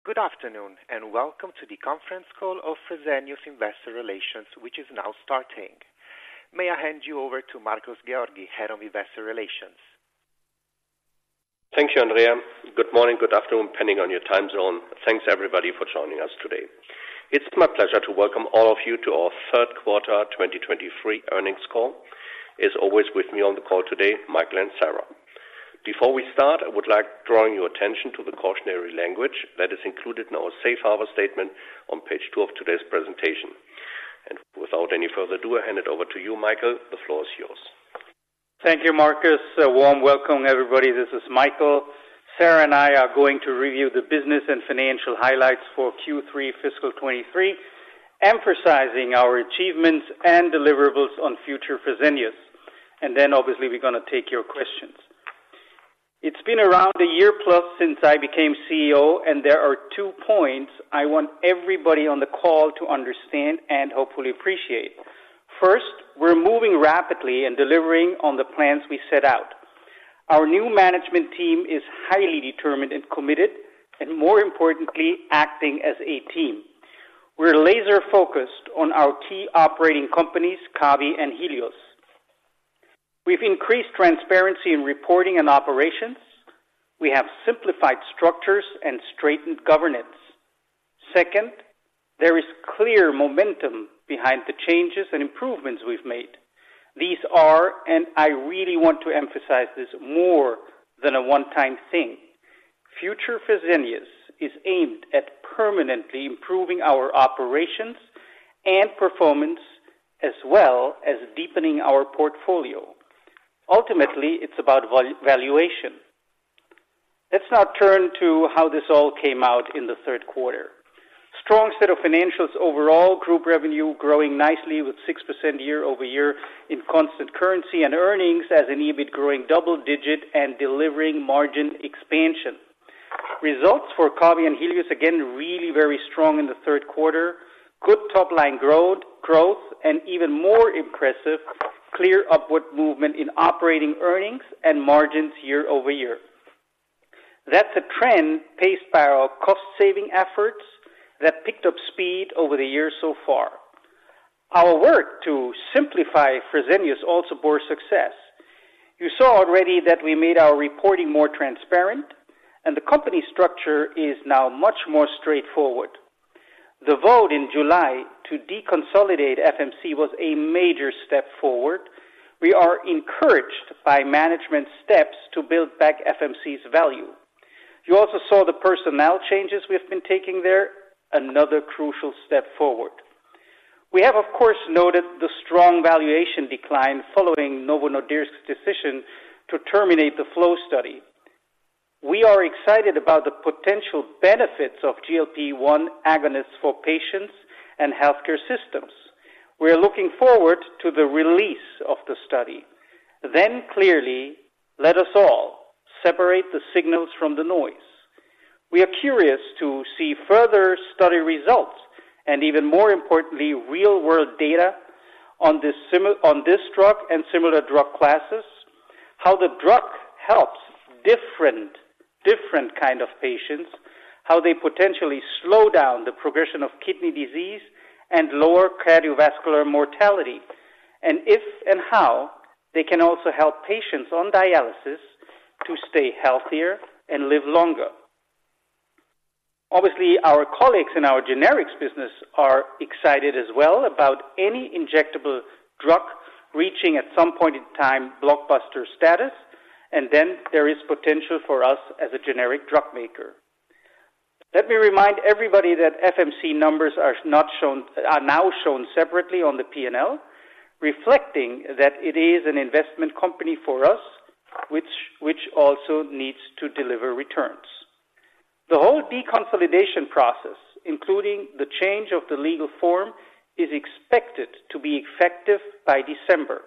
Good afternoon, and welcome to the conference call of Fresenius Investor Relations, which is now starting. May I hand you over to Markus Georgi, Head of Investor Relations. Thank you, Andrea. Good morning, good afternoon, depending on your time zone. Thanks, everybody, for joining us today. It's my pleasure to welcome all of you to our third quarter 2023 earnings call. As always, with me on the call today, Michael and Sara. Before we start, I would like drawing your attention to the cautionary language that is included in our safe harbor statement on page 2 of today's presentation. And without any further ado, I hand it over to you, Michael. The floor is yours. Thank you, Markus. A warm welcome, everybody. This is Michael. Sara and I are going to review the business and financial highlights for Q3 fiscal 2023, emphasizing our achievements and deliverables on future Fresenius. Then obviously, we're gonna take your questions. It's been around a year plus since I became CEO, and there are two points I want everybody on the call to understand and hopefully appreciate. First, we're moving rapidly and delivering on the plans we set out. Our new management team is highly determined and committed, and more importantly, acting as a team. We're laser-focused on our key operating companies, Kabi and Helios. We've increased transparency in reporting and operations. We have simplified structures and straightened governance. Second, there is clear momentum behind the changes and improvements we've made. These are, and I really want to emphasize this, more than a one-time thing. Future Fresenius is aimed at permanently improving our operations and performance, as well as deepening our portfolio. Ultimately, it's about valuation. Let's now turn to how this all came out in the third quarter. Strong set of financials overall, group revenue growing nicely with 6% year-over-year in constant currency and earnings as an EBIT growing double-digit and delivering margin expansion. Results for Kabi and Helios, again, really very strong in the third quarter. Good top-line growth, growth, and even more impressive, clear upward movement in operating earnings and margins year-over-year. That's a trend paced by our cost-saving efforts that picked up speed over the years so far. Our work to simplify Fresenius also bore success. You saw already that we made our reporting more transparent, and the company structure is now much more straightforward. The vote in July to deconsolidate FMC was a major step forward. We are encouraged by management steps to build back FMC's value. You also saw the personnel changes we have been taking there, another crucial step forward. We have, of course, noted the strong valuation decline following Novo Nordisk's decision to terminate the FLOW study. We are excited about the potential benefits of GLP-1 agonists for patients and healthcare systems. We are looking forward to the release of the study. Clearly, let us all separate the signals from the noise. We are curious to see further study results, and even more importantly, real-world data on this drug and similar drug classes, how the drug helps different kind of patients, how they potentially slow down the progression of kidney disease and lower cardiovascular mortality, and if and how they can also help patients on dialysis to stay healthier and live longer. Obviously, our colleagues in our generics business are excited as well about any injectable drug reaching, at some point in time, blockbuster status, and then there is potential for us as a generic drug maker. Let me remind everybody that FMC numbers are now shown separately on the P&L, reflecting that it is an investment company for us, which also needs to deliver returns. The whole deconsolidation process, including the change of the legal form, is expected to be effective by December.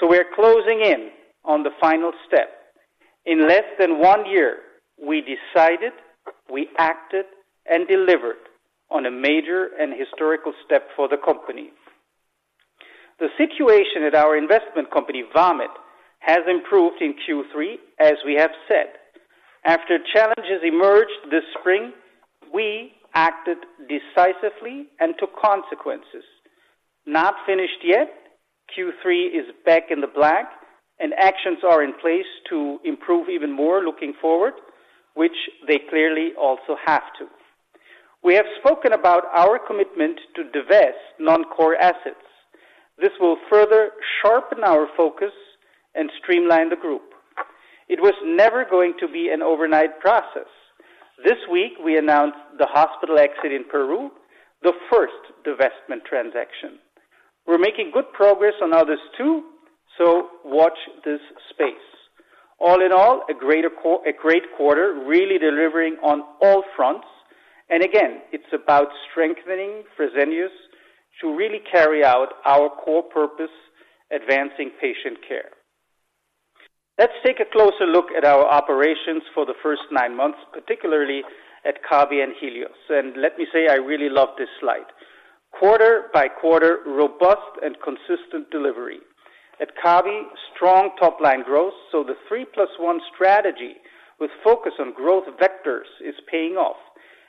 So we are closing in on the final step. In less than one year, we decided, we acted, and delivered on a major and historical step for the company. The situation at our investment company, VAMED, has improved in Q3, as we have said. After challenges emerged this spring, we acted decisively and took consequences. Not finished yet, Q3 is back in the black, and actions are in place to improve even more looking forward, which they clearly also have to. We have spoken about our commitment to divest non-core assets. This will further sharpen our focus and streamline the group. It was never going to be an overnight process. This week, we announced the hospital exit in Peru, the first divestment transaction. We're making good progress on others, too, so watch this space. All in all, a great quarter, really delivering on all fronts. And again, it's about strengthening Fresenius to really carry out our core purpose: advancing patient care. Let's take a closer look at our operations for the first nine months, particularly at Kabi and Helios. And let me say, I really love this slide. Quarter by quarter, robust and consistent delivery.... At Kabi, strong top line growth, so the 3 + 1 strategy with focus on growth vectors is paying off.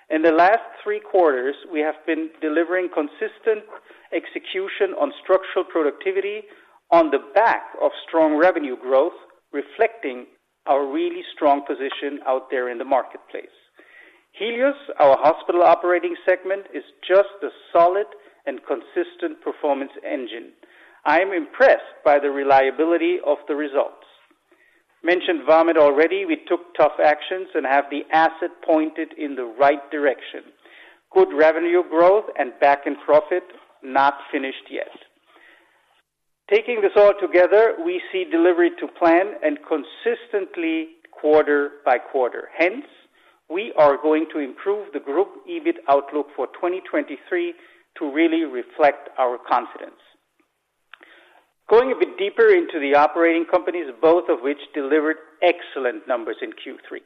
In the last 3 quarters, we have been delivering consistent execution on structural productivity on the back of strong revenue growth, reflecting our really strong position out there in the marketplace. Helios, our hospital operating segment, is just a solid and consistent performance engine. I am impressed by the reliability of the results. Mentioned VAMED already. We took tough actions and have the asset pointed in the right direction. Good revenue growth and back in profit, not finished yet. Taking this all together, we see delivery to plan and consistently quarter by quarter. Hence, we are going to improve the group EBIT outlook for 2023 to really reflect our confidence. Going a bit deeper into the operating companies, both of which delivered excellent numbers in Q3.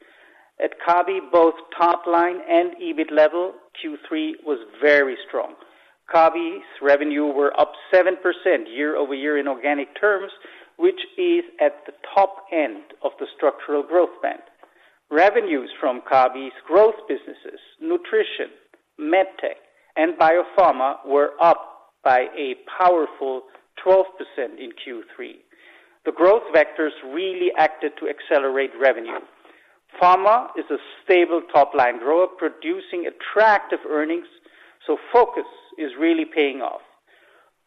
At Kabi, both top line and EBIT level, Q3 was very strong. Kabi's revenue were up 7% year-over-year in organic terms, which is at the top end of the structural growth band. Revenues from Kabi's growth businesses, Nutrition, MedTech, and Biopharma, were up by a powerful 12% in Q3. The growth vectors really acted to accelerate revenue. Pharma is a stable top line grower, producing attractive earnings, so focus is really paying off.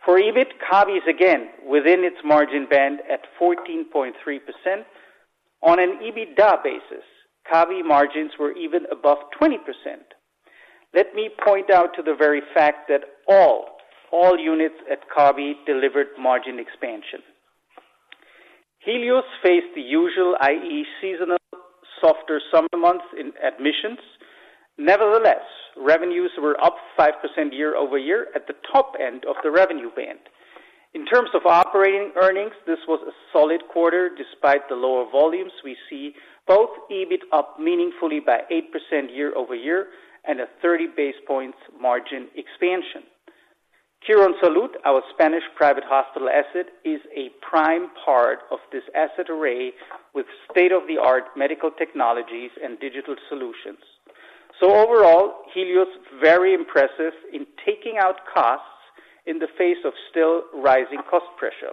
For EBIT, Kabi is again within its margin band at 14.3%. On an EBITDA basis, Kabi margins were even above 20%. Let me point out the very fact that all units at Kabi delivered margin expansion. Helios faced the usual, i.e., seasonal, softer summer months in admissions. Nevertheless, revenues were up 5% year-over-year at the top end of the revenue band. In terms of operating earnings, this was a solid quarter. Despite the lower volumes, we see both EBIT up meaningfully by 8% year-over-year and a 30 basis points margin expansion. Quirónsalud, our Spanish private hospital asset, is a prime part of this asset array with state-of-the-art medical technologies and digital solutions. So overall, Helios, very impressive in taking out costs in the face of still rising cost pressure.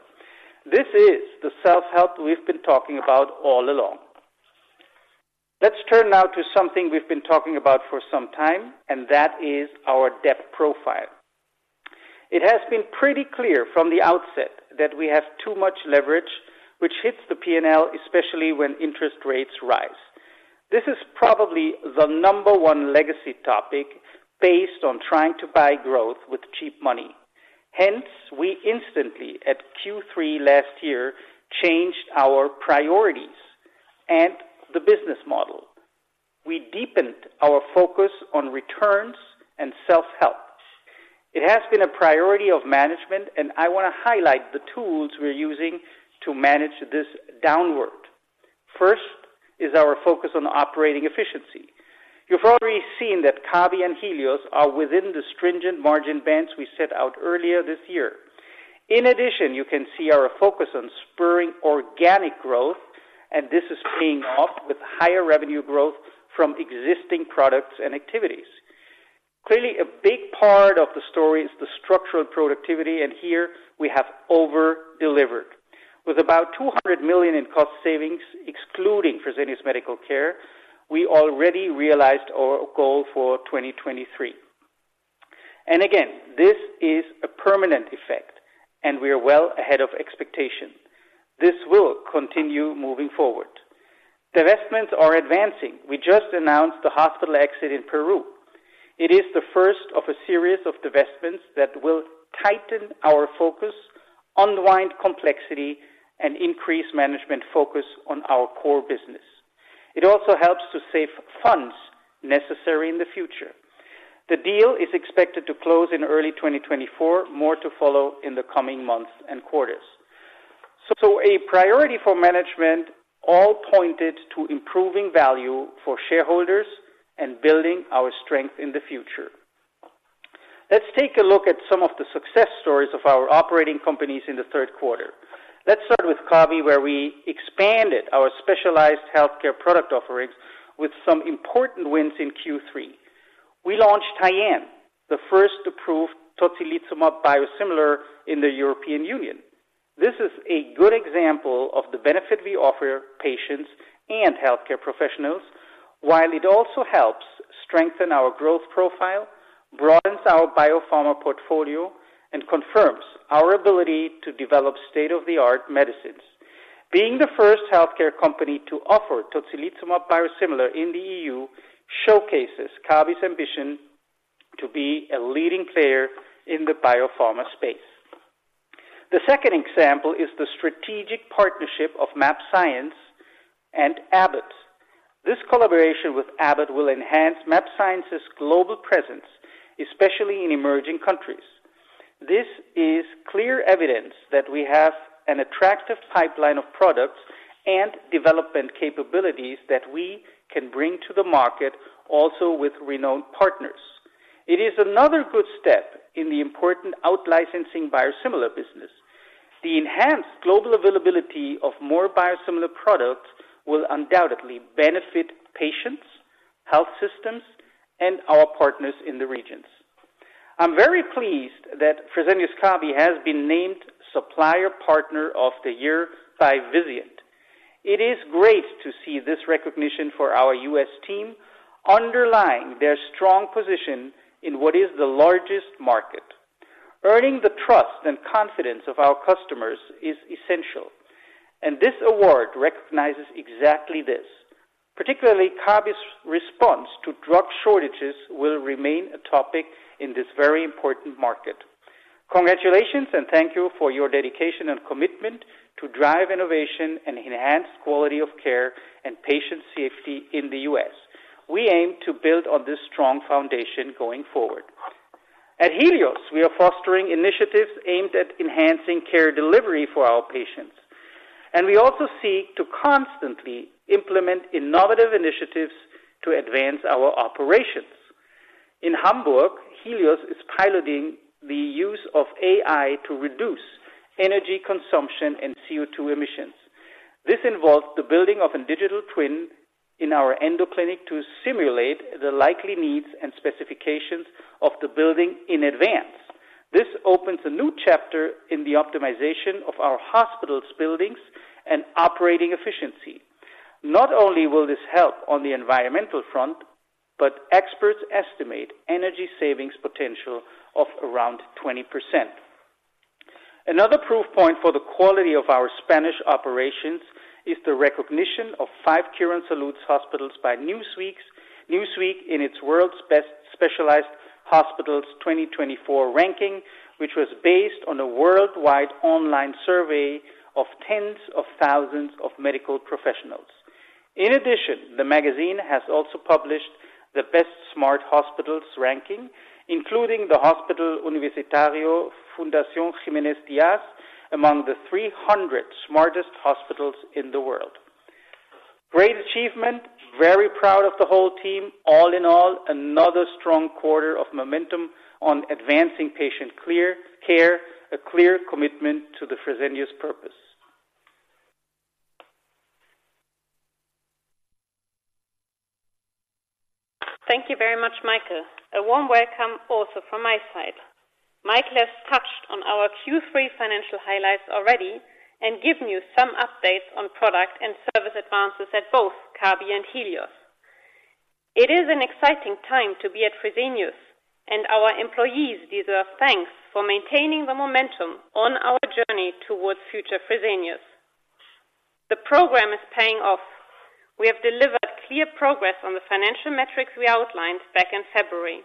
This is the self-help we've been talking about all along. Let's turn now to something we've been talking about for some time, and that is our debt profile. It has been pretty clear from the outset that we have too much leverage, which hits the P&L, especially when interest rates rise. This is probably the number one legacy topic based on trying to buy growth with cheap money. Hence, we instantly, at Q3 last year, changed our priorities and the business model. We deepened our focus on returns and self-help. It has been a priority of management, and I want to highlight the tools we're using to manage this downward. First is our focus on operating efficiency. You've already seen that Kabi and Helios are within the stringent margin bands we set out earlier this year. In addition, you can see our focus on spurring organic growth, and this is paying off with higher revenue growth from existing products and activities. Clearly, a big part of the story is the structural productivity, and here we have over-delivered. With about 200 million in cost savings, excluding Fresenius Medical Care, we already realized our goal for 2023. Again, this is a permanent effect, and we are well ahead of expectation. This will continue moving forward. Divestments are advancing. We just announced the hospital exit in Peru. It is the first of a series of divestments that will tighten our focus, unwind complexity, and increase management focus on our core business. It also helps to save funds necessary in the future. The deal is expected to close in early 2024, more to follow in the coming months and quarters. A priority for management all pointed to improving value for shareholders and building our strength in the future. Let's take a look at some of the success stories of our operating companies in the third quarter. Let's start with Kabi, where we expanded our specialized healthcare product offerings with some important wins in Q3. We launched Tyenne, the first approved tocilizumab biosimilar in the European Union. This is a good example of the benefit we offer patients and healthcare professionals, while it also helps strengthen our growth profile, broadens our biopharma portfolio, and confirms our ability to develop state-of-the-art medicines. Being the first healthcare company to offer tocilizumab biosimilar in the EU, showcases Kabi's ambition to be a leading player in the biopharma space. The second example is the strategic partnership of mAbxience and Abbott. This collaboration with Abbott will enhance mAbxience's global presence, especially in emerging countries. This is clear evidence that we have an attractive pipeline of products and development capabilities that we can bring to the market also with renowned partners.... It is another good step in the important out-licensing biosimilar business. The enhanced global availability of more biosimilar products will undoubtedly benefit patients, health systems, and our partners in the regions. I'm very pleased that Fresenius Kabi has been named Supplier Partner of the Year by Vizient. It is great to see this recognition for our U.S. team, underlying their strong position in what is the largest market. Earning the trust and confidence of our customers is essential, and this award recognizes exactly this. Particularly, Kabi's response to drug shortages will remain a topic in this very important market. Congratulations, and thank you for your dedication and commitment to drive innovation and enhance quality of care and patient safety in the U.S. We aim to build on this strong foundation going forward. At Helios, we are fostering initiatives aimed at enhancing care delivery for our patients, and we also seek to constantly implement innovative initiatives to advance our operations. In Hamburg, Helios is piloting the use of AI to reduce energy consumption and CO₂ emissions. This involves the building of a digital twin in our ENDO-Klinik to simulate the likely needs and specifications of the building in advance. This opens a new chapter in the optimization of our hospital's buildings and operating efficiency. Not only will this help on the environmental front, but experts estimate energy savings potential of around 20%. Another proof point for the quality of our Spanish operations is the recognition of five Quirónsalud hospitals by Newsweek in its World's Best Specialized Hospitals 2024 ranking, which was based on a worldwide online survey of tens of thousands of medical professionals. In addition, the magazine has also published the Best Smart Hospitals ranking, including the Hospital Universitario Fundación Jiménez Díaz, among the 300 smartest hospitals in the world. Great achievement. Very proud of the whole team. All in all, another strong quarter of momentum on advancing patient care, a clear commitment to the Fresenius purpose. Thank you very much, Michael. A warm welcome also from my side. Michael has touched on our Q3 financial highlights already and given you some updates on product and service advances at both Kabi and Helios. It is an exciting time to be at Fresenius, and our employees deserve thanks for maintaining the momentum on our journey towards future Fresenius. The program is paying off. We have delivered clear progress on the financial metrics we outlined back in February.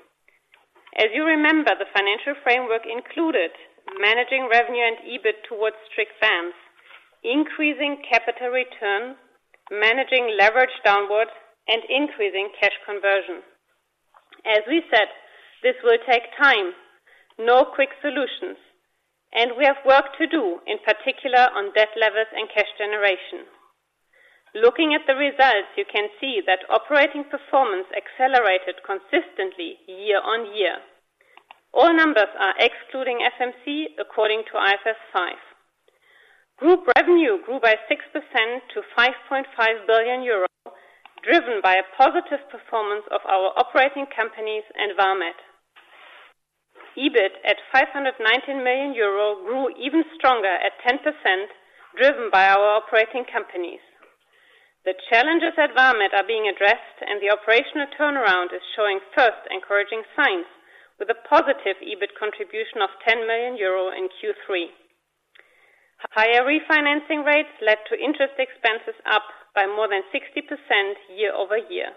As you remember, the financial framework included managing revenue and EBIT towards strict bands, increasing capital return, managing leverage downward, and increasing cash conversion. As we said, this will take time, no quick solutions, and we have work to do, in particular on debt levels and cash generation. Looking at the results, you can see that operating performance accelerated consistently year-on-year. All numbers are excluding FMC, according to IFRS 5. Group revenue grew by 6% to 5.5 billion euro, driven by a positive performance of our operating companies and VAMED. EBIT at 519 million euro grew even stronger at 10%, driven by our operating companies. The challenges at VAMED are being addressed, and the operational turnaround is showing first encouraging signs with a positive EBIT contribution of 10 million euro in Q3. Higher refinancing rates led to interest expenses up by more than 60% year-over-year.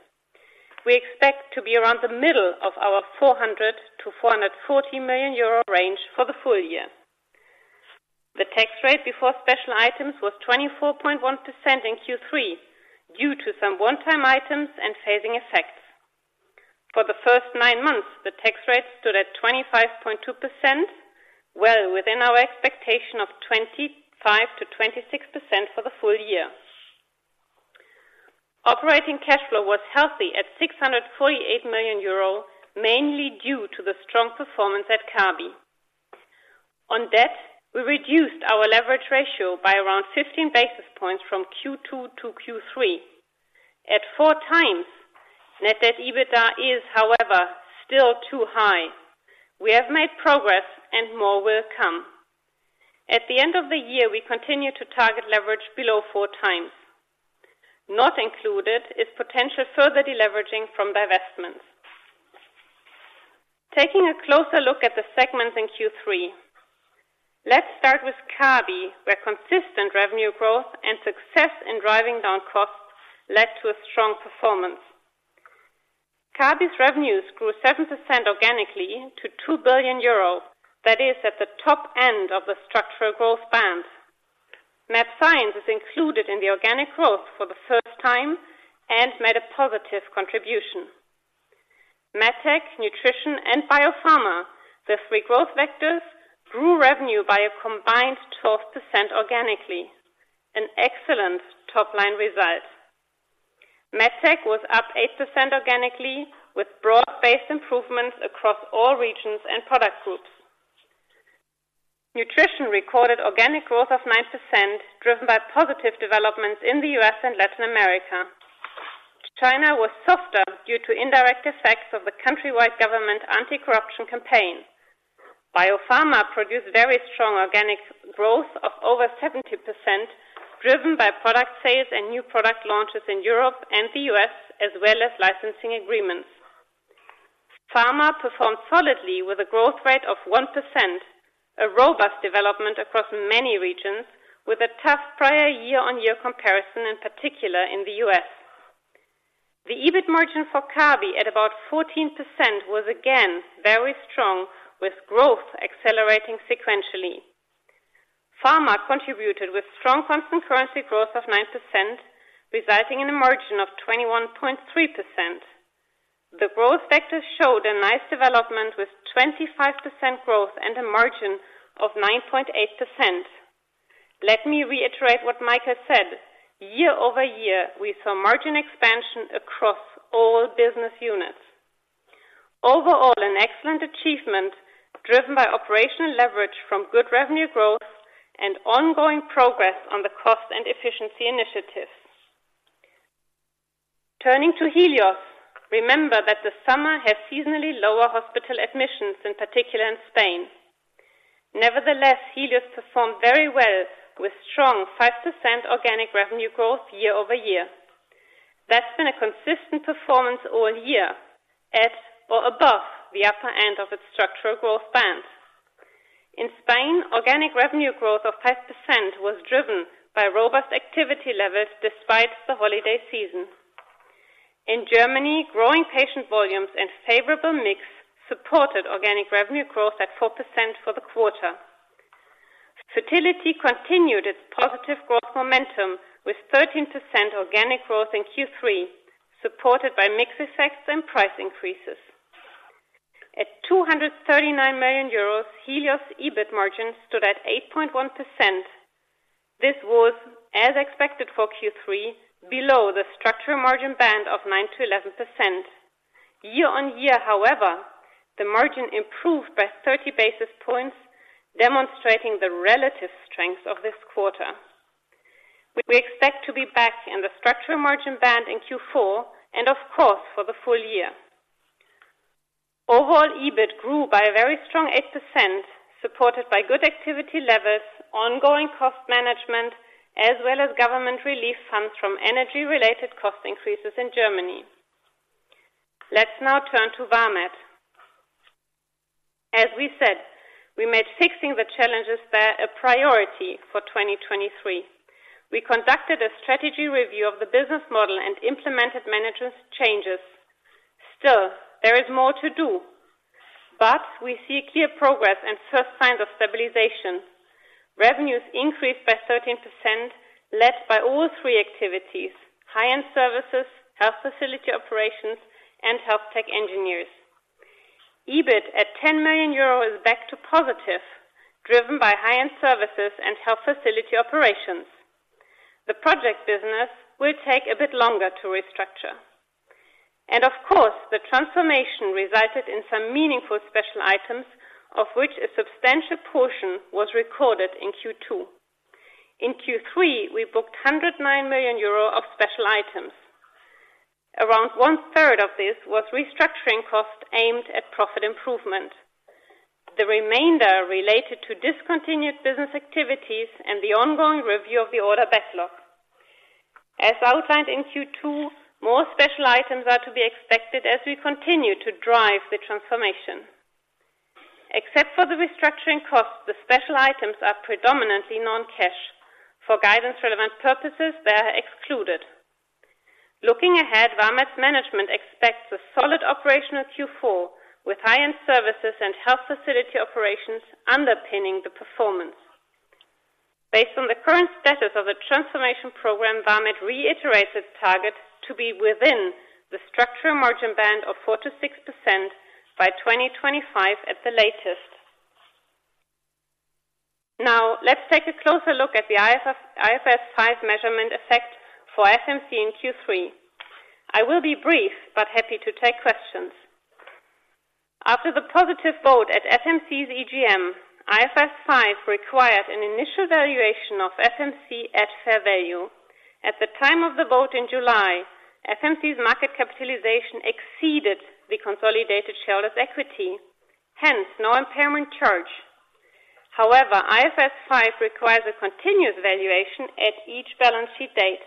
We expect to be around the middle of our 400 million-440 million euro range for the full year. The tax rate before special items was 24.1% in Q3, due to some one-time items and phasing effects. For the first nine months, the tax rate stood at 25.2%, well within our expectation of 25%-26% for the full year. Operating cash flow was healthy at 648 million euro, mainly due to the strong performance at Kabi. On debt, we reduced our leverage ratio by around 15 basis points from Q2 to Q3. At 4x, net debt EBITDA is, however, still too high. We have made progress and more will come. At the end of the year, we continue to target leverage below 4x. Not included is potential further deleveraging from divestments. Taking a closer look at the segments in Q3. Let's start with Kabi, where consistent revenue growth and success in driving down costs led to a strong performance. Kabi's revenues grew 7% organically to 2 billion euro. That is at the top end of the structural growth bands. mAbxience is included in the organic growth for the first time and made a positive contribution. MedTech, Nutrition, and Biopharma, the three growth vectors, grew revenue by a combined 12% organically, an excellent top-line result. MedTech was up 8% organically, with broad-based improvements across all regions and product groups. Nutrition recorded organic growth of 9%, driven by positive developments in the U.S. and Latin America. China was softer due to indirect effects of the countrywide government anti-corruption campaign. Biopharma produced very strong organic growth of over 70%, driven by product sales and new product launches in Europe and the U.S., as well as licensing agreements. Pharma performed solidly with a growth rate of 1%, a robust development across many regions with a tough prior year-on-year comparison, in particular in the U.S. The EBIT margin for Kabi, at about 14%, was again very strong, with growth accelerating sequentially. Pharma contributed with strong constant currency growth of 9%, resulting in a margin of 21.3%. The growth sector showed a nice development, with 25% growth and a margin of 9.8%. Let me reiterate what Michael said: year-over-year, we saw margin expansion across all business units. Overall, an excellent achievement, driven by operational leverage from good revenue growth and ongoing progress on the cost and efficiency initiatives. Turning to Helios, remember that the summer had seasonally lower hospital admissions, in particular in Spain. Nevertheless, Helios performed very well, with strong 5% organic revenue growth year-over-year. That's been a consistent performance all year, at or above the upper end of its structural growth band. In Spain, organic revenue growth of 5% was driven by robust activity levels despite the holiday season. In Germany, growing patient volumes and favorable mix supported organic revenue growth at 4% for the quarter. Fertility continued its positive growth momentum, with 13% organic growth in Q3, supported by mix effects and price increases. At EUR 239 million, Helios' EBIT margin stood at 8.1%. This was, as expected for Q3, below the structural margin band of 9%-11%. Year-on-year, however, the margin improved by 30 basis points, demonstrating the relative strength of this quarter. We expect to be back in the structural margin band in Q4 and of course, for the full year. Overall, EBIT grew by a very strong 8%, supported by good activity levels, ongoing cost management, as well as government relief funds from energy-related cost increases in Germany. Let's now turn to VAMED. As we said, we made fixing the challenges there a priority for 2023. We conducted a strategy review of the business model and implemented management changes. Still, there is more to do, but we see clear progress and first signs of stabilization. Revenues increased by 13%, led by all three activities: high-end services, health facility operations, and health tech engineers. EBIT at 10 million euro is back to positive, driven by high-end services and health facility operations. The project business will take a bit longer to restructure. And of course, the transformation resulted in some meaningful special items, of which a substantial portion was recorded in Q2. In Q3, we booked 109 million euro of special items. Around one-third of this was restructuring costs aimed at profit improvement. The remainder related to discontinued business activities and the ongoing review of the order backlog. As outlined in Q2, more special items are to be expected as we continue to drive the transformation. Except for the restructuring costs, the special items are predominantly non-cash. For guidance-relevant purposes, they are excluded. Looking ahead, VAMED's management expects a solid operational Q4, with high-end services and health facility operations underpinning the performance. Based on the current status of the transformation program, VAMED reiterates its target to be within the structural margin band of 4%-6% by 2025 at the latest. Now, let's take a closer look at the IFRS 5 measurement effect for FMC in Q3. I will be brief, but happy to take questions. After the positive vote at FMC's EGM, IFRS 5 required an initial valuation of FMC at fair value. At the time of the vote in July, FMC's market capitalization exceeded the consolidated shareholders' equity, hence no impairment charge. However, IFRS 5 requires a continuous valuation at each balance sheet date.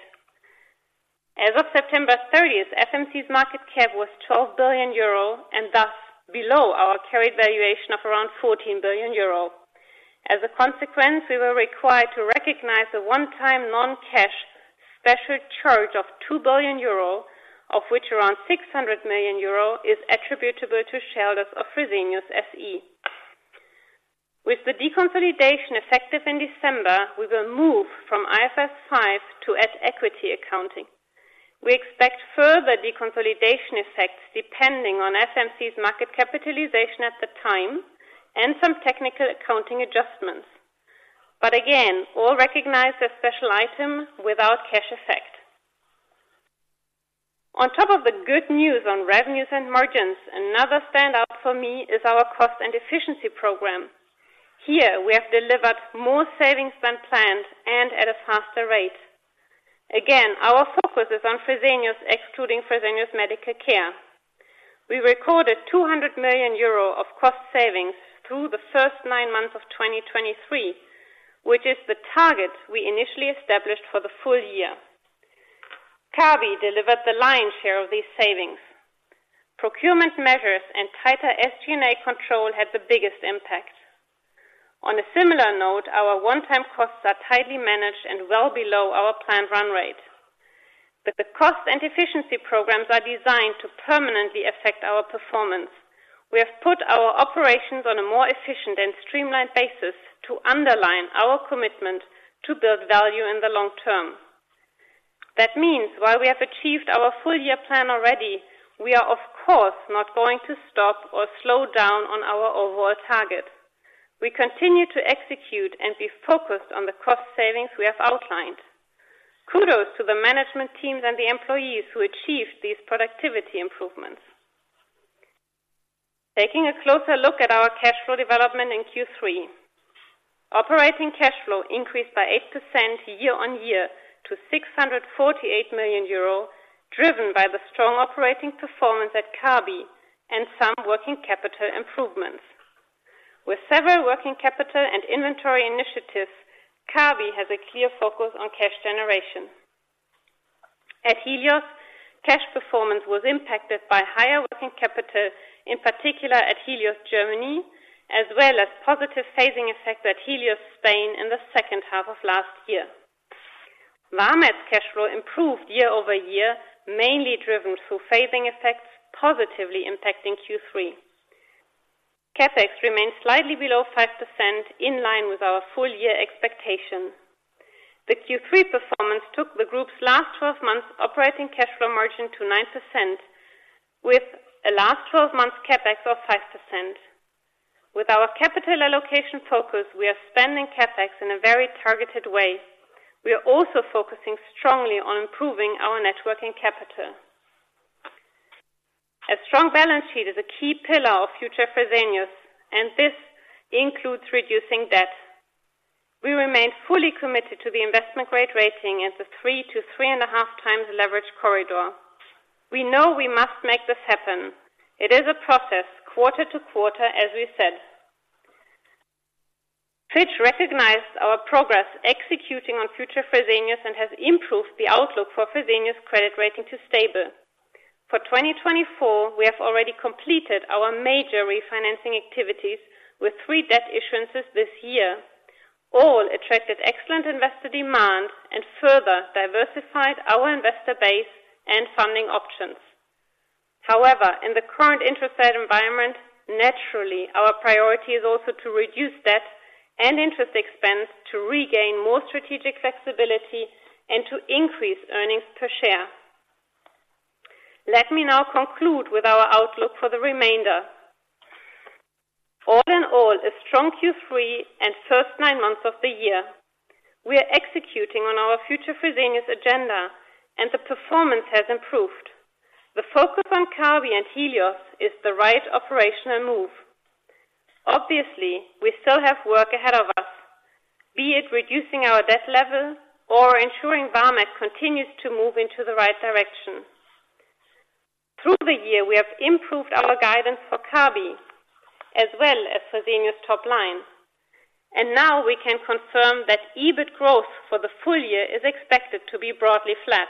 As of September thirtieth, FMC's market cap was 12 billion euro and thus below our carried valuation of around 14 billion euro. As a consequence, we were required to recognize a one-time non-cash special charge of 2 billion euro, of which around 600 million euro is attributable to shareholders of Fresenius SE. With the deconsolidation effective in December, we will move from IFRS 5 to at equity accounting. We expect further deconsolidation effects, depending on FMC's market capitalization at the time and some technical accounting adjustments.... But again, all recognized as special item without cash effect. On top of the good news on revenues and margins, another standout for me is our cost and efficiency program. Here we have delivered more savings than planned and at a faster rate. Again, our focus is on Fresenius, excluding Fresenius Medical Care. We recorded 200 million euro of cost savings through the first nine months of 2023, which is the target we initially established for the full year. Kabi delivered the lion's share of these savings. Procurement measures and tighter SG&A control had the biggest impact. On a similar note, our one-time costs are tightly managed and well below our planned run rate. But the cost and efficiency programs are designed to permanently affect our performance. We have put our operations on a more efficient and streamlined basis to underline our commitment to build value in the long term. That means while we have achieved our full year plan already, we are of course, not going to stop or slow down on our overall target. We continue to execute and be focused on the cost savings we have outlined. Kudos to the management teams and the employees who achieved these productivity improvements. Taking a closer look at our cash flow development in Q3. Operating cash flow increased by 8% year-on-year to 648 million euro, driven by the strong operating performance at Kabi and some working capital improvements. With several working capital and inventory initiatives, Kabi has a clear focus on cash generation. At Helios, cash performance was impacted by higher working capital, in particular at Helios Germany, as well as positive phasing effect at Helios Spain in the second half of last year. VAMED's cash flow improved year-over-year, mainly driven through phasing effects, positively impacting Q3. CapEx remains slightly below 5% in line with our full-year expectation. The Q3 performance took the group's last twelve months operating cash flow margin to 9%, with a last twelve months CapEx of 5%. With our capital allocation focus, we are spending CapEx in a very targeted way. We are also focusing strongly on improving our net working capital. A strong balance sheet is a key pillar of future Fresenius, and this includes reducing debt. We remain fully committed to the investment-grade rating as a 3-3.5 times leverage corridor. We know we must make this happen. It is a process, quarter-to-quarter, as we said. Fitch recognized our progress executing on future Fresenius and has improved the outlook for Fresenius credit rating to stable. For 2024, we have already completed our major refinancing activities with three debt issuances this year. All attracted excellent investor demand and further diversified our investor base and funding options. However, in the current interest rate environment, naturally, our priority is also to reduce debt and interest expense to regain more strategic flexibility and to increase earnings per share. Let me now conclude with our outlook for the remainder. All in all, a strong Q3 and first nine months of the year, we are executing on our future Fresenius agenda, and the performance has improved. The focus on Kabi and Helios is the right operational move. Obviously, we still have work ahead of us, be it reducing our debt level or ensuring VAMED continues to move into the right direction. Through the year, we have improved our guidance for Kabi as well as Fresenius top line, and now we can confirm that EBIT growth for the full year is expected to be broadly flat.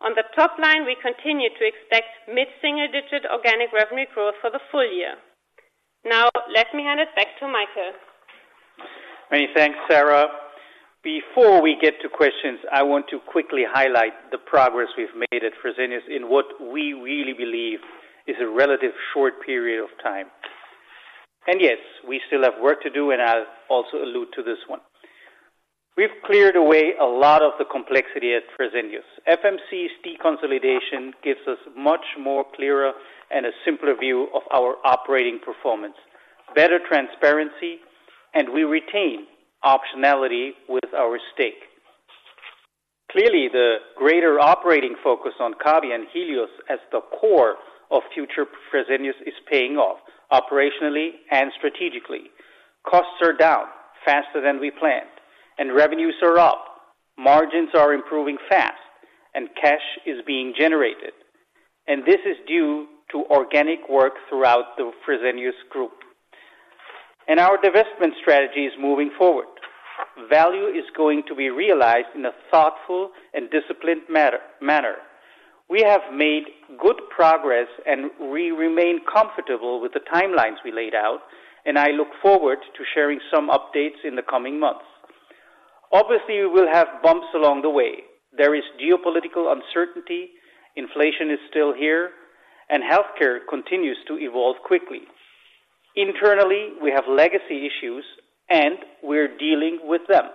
On the top line, we continue to expect mid-single digit organic revenue growth for the full year. Now, let me hand it back to Michael. Many thanks, Sara. Before we get to questions, I want to quickly highlight the progress we've made at Fresenius in what we really believe is a relative short period of time. And yes, we still have work to do, and I'll also allude to this one. We've cleared away a lot of the complexity at Fresenius. FMC's deconsolidation gives us much more clearer and a simpler view of our operating performance, better transparency, and we retain optionality with our stake. Clearly, the greater operating focus on Kabi and Helios as the core of future Fresenius is paying off operationally and strategically. Costs are down faster than we planned and revenues are up, margins are improving fast and cash is being generated. And this is due to organic work throughout the Fresenius Group. And our divestment strategy is moving forward. Value is going to be realized in a thoughtful and disciplined manner. We have made good progress, and we remain comfortable with the timelines we laid out, and I look forward to sharing some updates in the coming months. Obviously, we will have bumps along the way. There is geopolitical uncertainty, inflation is still here, and healthcare continues to evolve quickly. Internally, we have legacy issues, and we're dealing with them,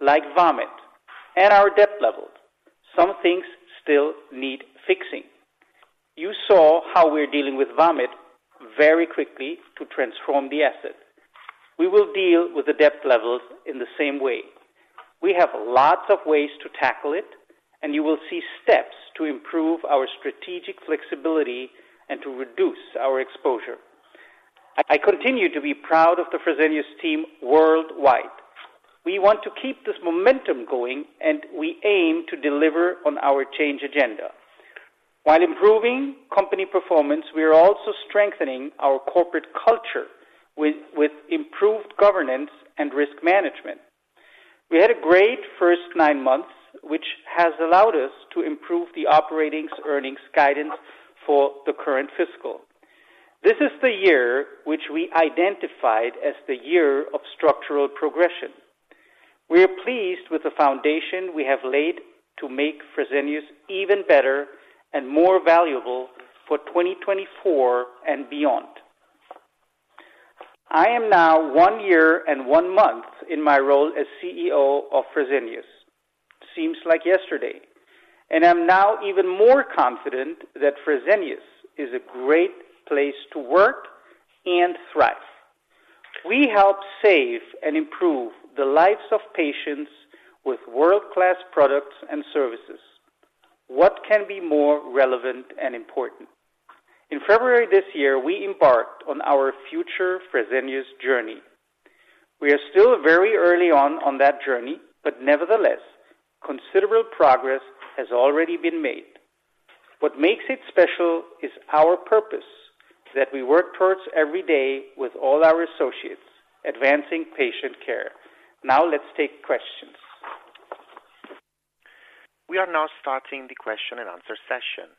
like VAMED and our debt level. Some things still need fixing. You saw how we're dealing with VAMED very quickly to transform the asset. We will deal with the debt levels in the same way. We have lots of ways to tackle it, and you will see steps to improve our strategic flexibility and to reduce our exposure. I continue to be proud of the Fresenius team worldwide. We want to keep this momentum going, and we aim to deliver on our change agenda. While improving company performance, we are also strengthening our corporate culture with improved governance and risk management. We had a great first nine months, which has allowed us to improve the operating earnings guidance for the current fiscal. This is the year which we identified as the year of structural progression. We are pleased with the foundation we have laid to make Fresenius even better and more valuable for 2024 and beyond. I am now one year and one month in my role as CEO of Fresenius. Seems like yesterday, and I'm now even more confident that Fresenius is a great place to work and thrive. We help save and improve the lives of patients with world-class products and services. What can be more relevant and important? In February this year, we embarked on our future Fresenius journey. We are still very early on, on that journey, but nevertheless, considerable progress has already been made. What makes it special is our purpose, that we work towards every day with all our associates, advancing patient care. Now, let's take questions. We are now starting the question and answer session.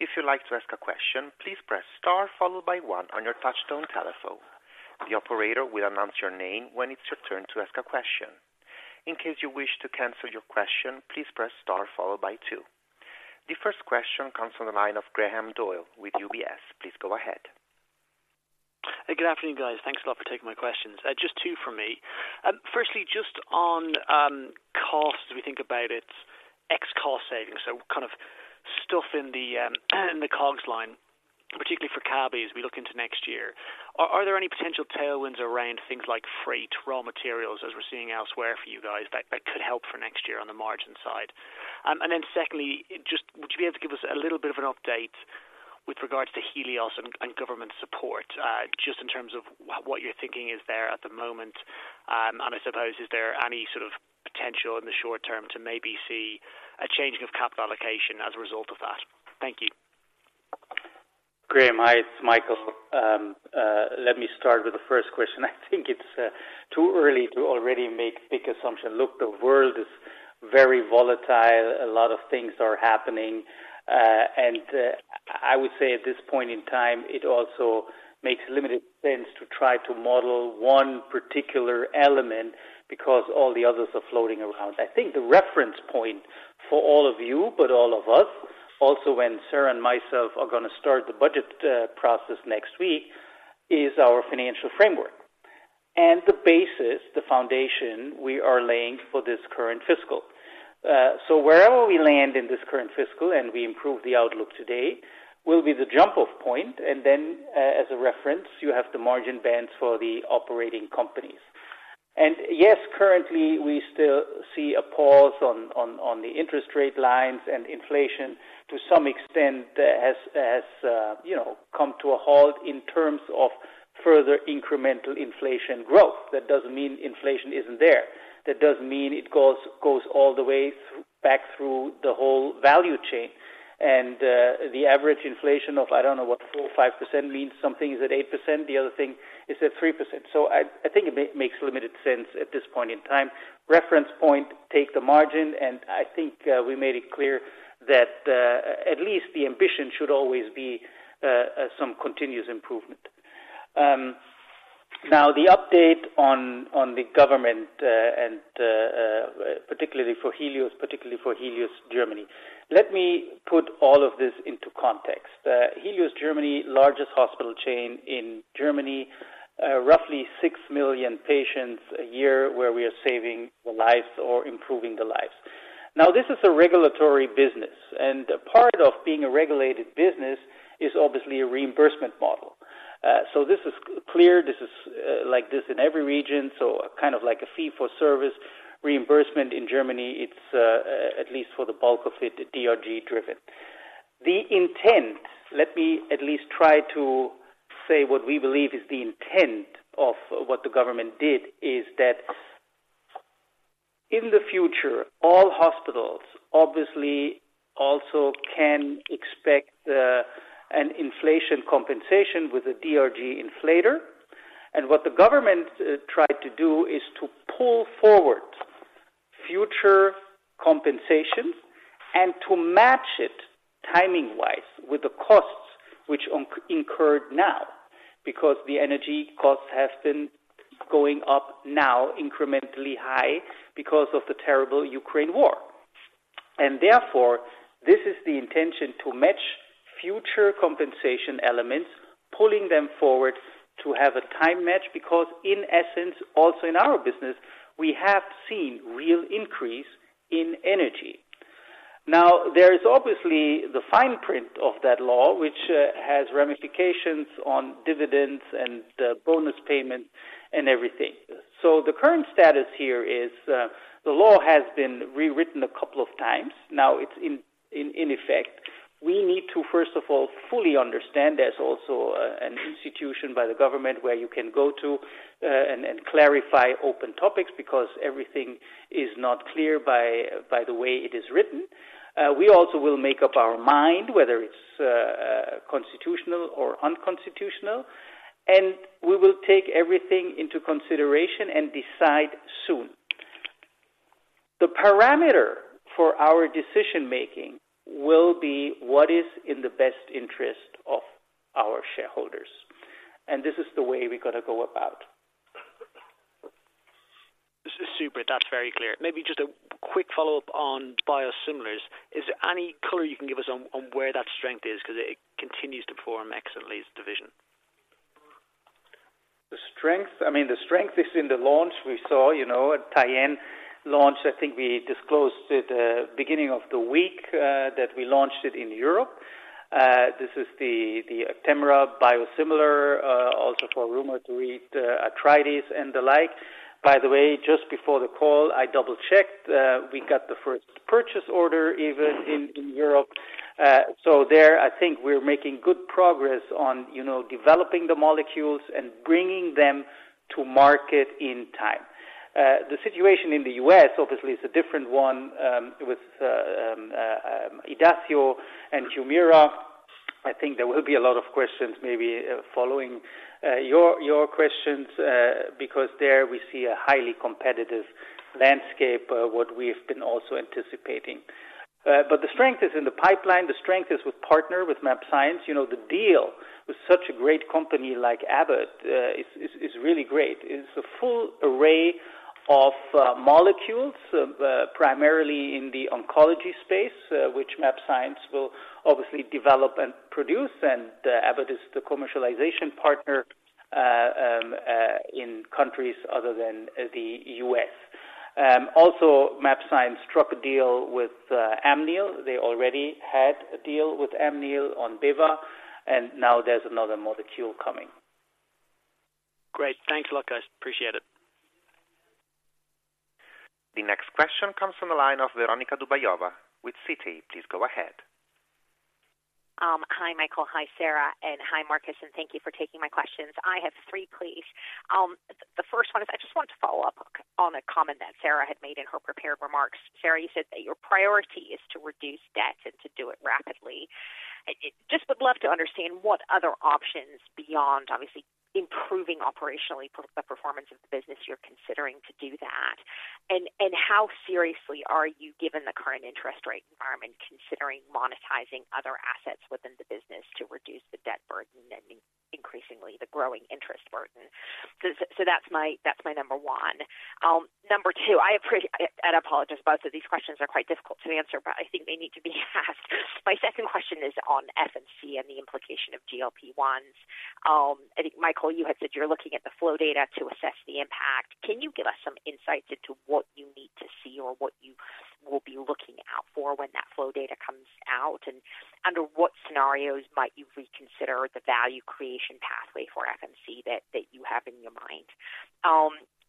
If you'd like to ask a question, please press star followed by one on your touchtone telephone. The operator will announce your name when it's your turn to ask a question. In case you wish to cancel your question, please press star followed by two. The first question comes from the line of Graham Doyle with UBS. Please go ahead. Good afternoon, guys. Thanks a lot for taking my questions. Just two for me. Firstly, just on costs, as we think about it, ex cost savings, so kind of stuff in the, in the COGS line, particularly for Kabi, as we look into next year. Are there any potential tailwinds around things like freight, raw materials, as we're seeing elsewhere for you guys, that could help for next year on the margin side? And then secondly, just would you be able to give us a little bit of an update with regards to Helios and government support, just in terms of what you're thinking is there at the moment, and I suppose, is there any sort of potential in the short term to maybe see a changing of capital allocation as a result of that? Thank you. Graham, hi, it's Michael. Let me start with the first question. I think it's too early to already make big assumption. Look, the world is very volatile. A lot of things are happening, and I would say at this point in time, it also makes limited sense to try to model one particular element because all the others are floating around. I think the reference point for all of you, but all of us, also, when Sara and myself are gonna start the budget process next week, is our financial framework. And the basis, the foundation we are laying for this current fiscal. So wherever we land in this current fiscal, and we improve the outlook today, will be the jump-off point. And then, as a reference, you have the margin bands for the operating companies. And yes, currently, we still see a pause on the interest rate lines and inflation, to some extent, has, you know, come to a halt in terms of further incremental inflation growth. That doesn't mean inflation isn't there. That doesn't mean it goes all the way through back through the whole value chain. And the average inflation of, I don't know what, 4 or 5% means something is at 8%, the other thing is at 3%. So I think it makes limited sense at this point in time. Reference point, take the margin, and I think we made it clear that at least the ambition should always be some continuous improvement. Now, the update on the government and particularly for Helios, particularly for Helios, Germany. Let me put all of this into context. Helios Germany, largest hospital chain in Germany, roughly 6 million patients a year, where we are saving the lives or improving the lives. Now, this is a regulatory business, and a part of being a regulated business is obviously a reimbursement model. So this is clear, this is like this in every region, so kind of like a fee-for-service reimbursement in Germany it's at least for the bulk of it, DRG driven. The intent, let me at least try to say what we believe is the intent of what the government did, is that in the future, all hospitals, obviously, also can expect an inflation compensation with a DRG inflator. What the government tried to do is to pull forward future compensations and to match it timing-wise with the costs which are incurred now, because the energy costs have been going up now incrementally high because of the terrible Ukraine war. And therefore, this is the intention to match future compensation elements pulling them forward to have a time match, because in essence, also in our business, we have seen real increase in energy. Now, there is obviously the fine print of that law, which has ramifications on dividends and bonus payments and everything. So the current status here is, the law has been rewritten a couple of times. Now it's in effect. We need to, first of all, fully understand. There's also an institution by the government where you can go to and clarify open topics because everything is not clear by the way it is written. We also will make up our mind whether it's constitutional or unconstitutional, and we will take everything into consideration and decide soon. The parameter for our decision-making will be what is in the best interest of our shareholders, and this is the way we're gonna go about. This is super. That's very clear. Maybe just a quick follow-up on biosimilars. Is there any color you can give us on where that strength is? Because it continues to form excellently as a division. The strength—I mean, the strength is in the launch. We saw, you know, at Tyenne launch, I think we disclosed it, beginning of the week, that we launched it in Europe. This is the, the Actemra biosimilar, also for rheumatoid arthritis and the like. By the way, just before the call, I double-checked, we got the first purchase order, even in Europe. So there, I think we're making good progress on, you know, developing the molecules and bringing them to market in time. The situation in the U.S., obviously, is a different one, with Idacio and Humira. I think there will be a lot of questions, maybe, following your questions, because there we see a highly competitive landscape, what we've been also anticipating. But the strength is in the pipeline. The strength is with partner, with mAbxience. You know, the deal with such a great company like Abbott is really great. It's a full array of molecules, primarily in the oncology space, which mAbxience will obviously develop and produce, and Abbott is the commercialization partner in countries other than the U.S. Also, mAbxience struck a deal with Amneal. They already had a deal with Amneal on Beva, and now there's another molecule coming. Great. Thanks a lot, guys. Appreciate it. The next question comes from the line of Veronika Dubajova with Citi. Please go ahead. Hi, Michael. Hi, Sara, and hi, Markus, and thank you for taking my questions. I have three, please. The first one is, I just want to follow up on a comment that Sara had made in her prepared remarks. Sara, you said that your priority is to reduce debt and to do it rapidly. I just would love to understand what other options beyond obviously, improving operationally the performance of the business you're considering to do that. And how seriously are you, given the current interest rate environment, considering monetizing other assets within the business to reduce the debt burden and increasingly the growing interest burden? So that's my number one. Number two, and I apologize, both of these questions are quite difficult to answer, but I think they need to be asked. My second question is on FMC and the implication of GLP-1. I think, Michael, you had said you're looking at the flow data to assess the impact. Can you give us some insights into what you need to see or what you will be looking out for when that flow data comes out? And under what scenarios might you reconsider the value creation pathway for FMC that, that you have in your mind?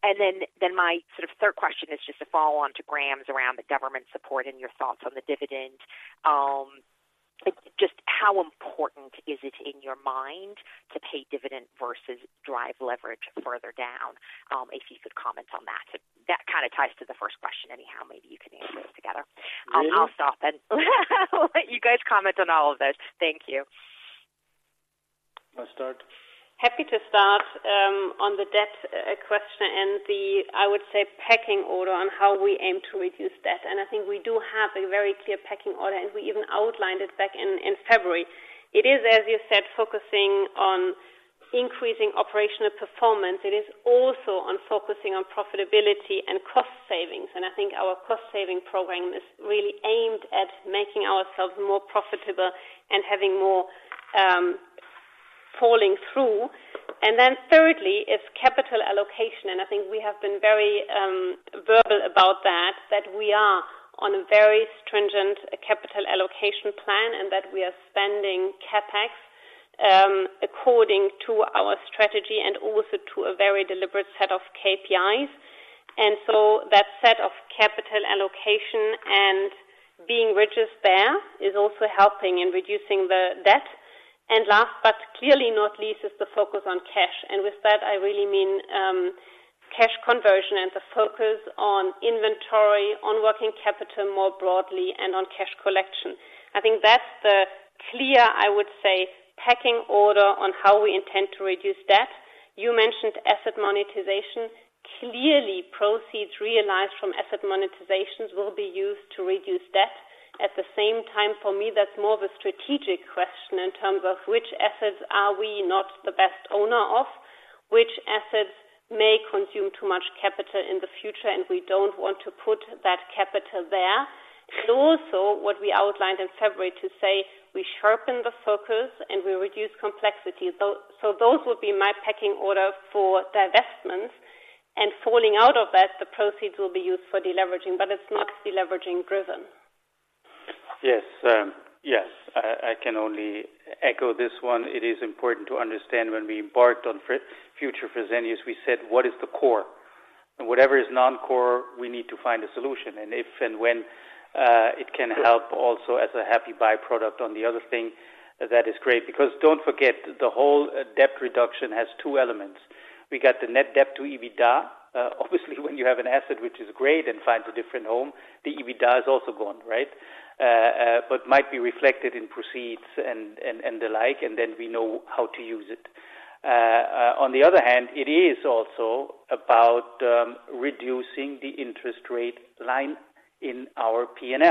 And then, then my sort of third question is just to follow on to Graham's around the government support and your thoughts on the dividend. Just how important is it in your mind to pay dividend versus drive leverage further down? If you could comment on that. That kinda ties to the first question anyhow. Maybe you can answer it together. I'll stop and let you guys comment on all of those. Thank you. I start? Happy to start on the debt question and the, I would say, pecking order on how we aim to reduce debt. And I think we do have a very clear pecking order, and we even outlined it back in February. It is, as you said, focusing on increasing operational performance. It is also on focusing on profitability and cost savings. And I think our cost-saving program is really aimed at making ourselves more profitable and having more falling through. And then thirdly, is capital allocation, and I think we have been very verbal about that, that we are on a very stringent capital allocation plan and that we are spending CapEx according to our strategy and also to a very deliberate set of KPIs. And so that set of capital allocation and being rigid there is also helping in reducing the debt. Last, but clearly not least, is the focus on cash. With that, I really mean, cash conversion and the focus on inventory, on working capital more broadly, and on cash collection. I think that's the clear, I would say, pecking order on how we intend to reduce debt. You mentioned asset monetization. Clearly, proceeds realized from asset monetizations will be used to reduce debt. At the same time, for me, that's more of a strategic question in terms of which assets are we not the best owner of? Which assets may consume too much capital in the future, and we don't want to put that capital there. Also, what we outlined in February to say, we sharpen the focus and we reduce complexity. So those would be my pecking order for divestments, and falling out of that, the proceeds will be used for deleveraging, but it's not deleveraging driven. Yes, yes, I can only echo this one. It is important to understand when we embarked on future Fresenius, we said, "What is the core? And whatever is non-core, we need to find a solution." And if and when it can help also as a happy by-product on the other thing, that is great. Because don't forget, the whole debt reduction has two elements. We got the net debt to EBITDA. Obviously, when you have an asset, which is great and finds a different home, the EBITDA is also gone, right? But might be reflected in proceeds and the like, and then we know how to use it. On the other hand, it is also about reducing the interest rate line in our P&L.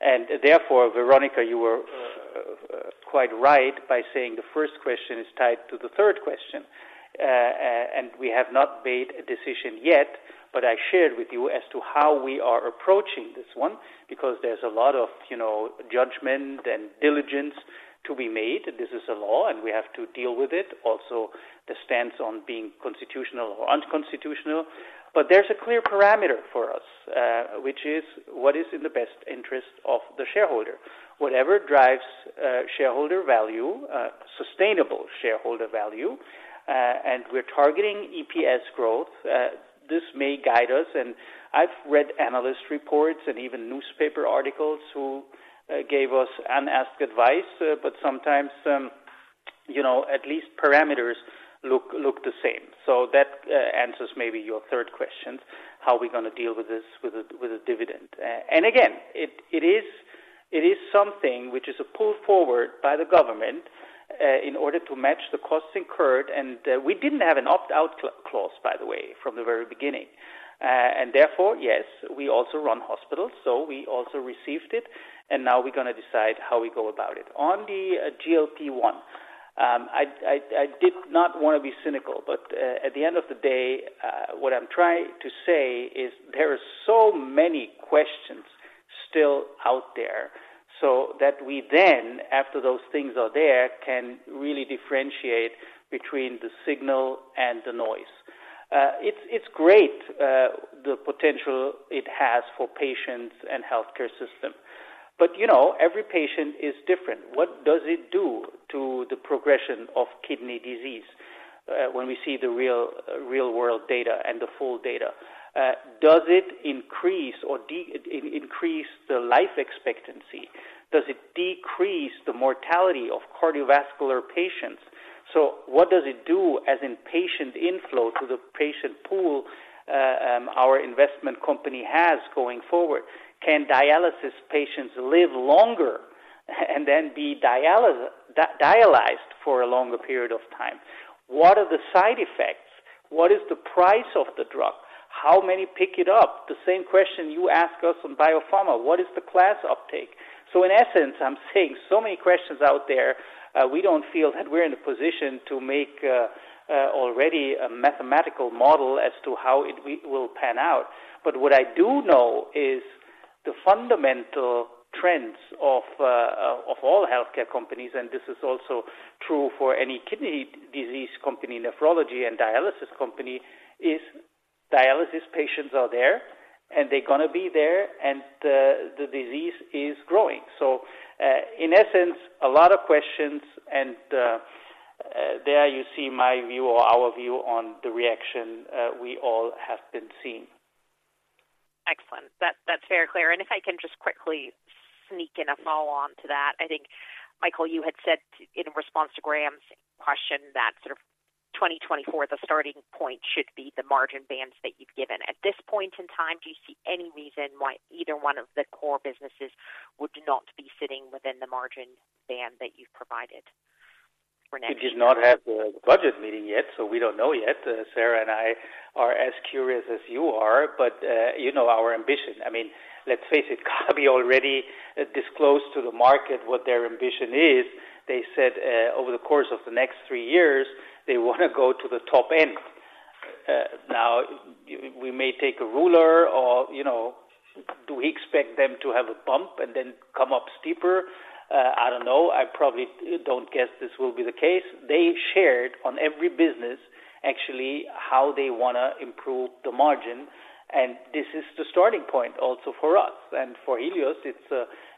And therefore, Veronica, you were quite right by saying the first question is tied to the third question. And we have not made a decision yet, but I shared with you as to how we are approaching this one, because there's a lot of, you know, judgment and diligence to be made. This is a law, and we have to deal with it. Also, the stance on being constitutional or unconstitutional. But there's a clear parameter for us, which is what is in the best interest of the shareholder. Whatever drives shareholder value, sustainable shareholder value, and we're targeting EPS growth, this may guide us. And I've read analyst reports and even newspaper articles who gave us unasked advice, but sometimes, you know, at least parameters look the same. So that answers maybe your third question, how are we gonna deal with this with a dividend? And again, it is something which is a pull forward by the government in order to match the costs incurred, and we didn't have an opt-out clause, by the way, from the very beginning. And therefore, yes, we also run hospitals, so we also received it, and now we're gonna decide how we go about it. On the GLP-1, I did not wanna be cynical, but at the end of the day, what I'm trying to say is there are so many questions still out there, so that we then, after those things are there, can really differentiate between the signal and the noise. It's great, the potential it has for patients and healthcare system, but, you know, every patient is different. What does it do to the progression of kidney disease, when we see the real-world data and the full data? Does it increase or decrease the life expectancy? Does it decrease the mortality of cardiovascular patients? So what does it do as in patient inflow to the patient pool, our investment company has going forward? Can dialysis patients live longer and then be dialyzed for a longer period of time? What are the side effects? What is the price of the drug? How many pick it up? The same question you ask us on Biopharma: What is the class uptake? So in essence, I'm saying so many questions out there, we don't feel that we're in a position to make a, already a mathematical model as to how it will pan out. But what I do know is the fundamental trends of all healthcare companies, and this is also true for any kidney disease company, nephrology and dialysis company, is dialysis patients are there, and they're gonna be there, and the disease is growing. So, in essence, a lot of questions, and, there you see my view or our view on the reaction, we all have been seeing. Excellent. That, that's very clear. If I can just quickly sneak in a follow-on to that. I think, Michael, you had said in response to Graham's question that sort of 2024, the starting point should be the margin bands that you've given. At this point in time, do you see any reason why either one of the core businesses would not be sitting within the margin band that you've provided for next year? We did not have the budget meeting yet, so we don't know yet. Sara and I are as curious as you are, but, you know our ambition. I mean, let's face it, Kabi already disclosed to the market what their ambition is. They said, over the course of the next three years, they wanna go to the top end. Now, we may take a ruler or, you know, do we expect them to have a bump and then come up steeper? I don't know. I probably don't guess this will be the case. They shared on every business, actually, how they wanna improve the margin, and this is the starting point also for us. For Helios,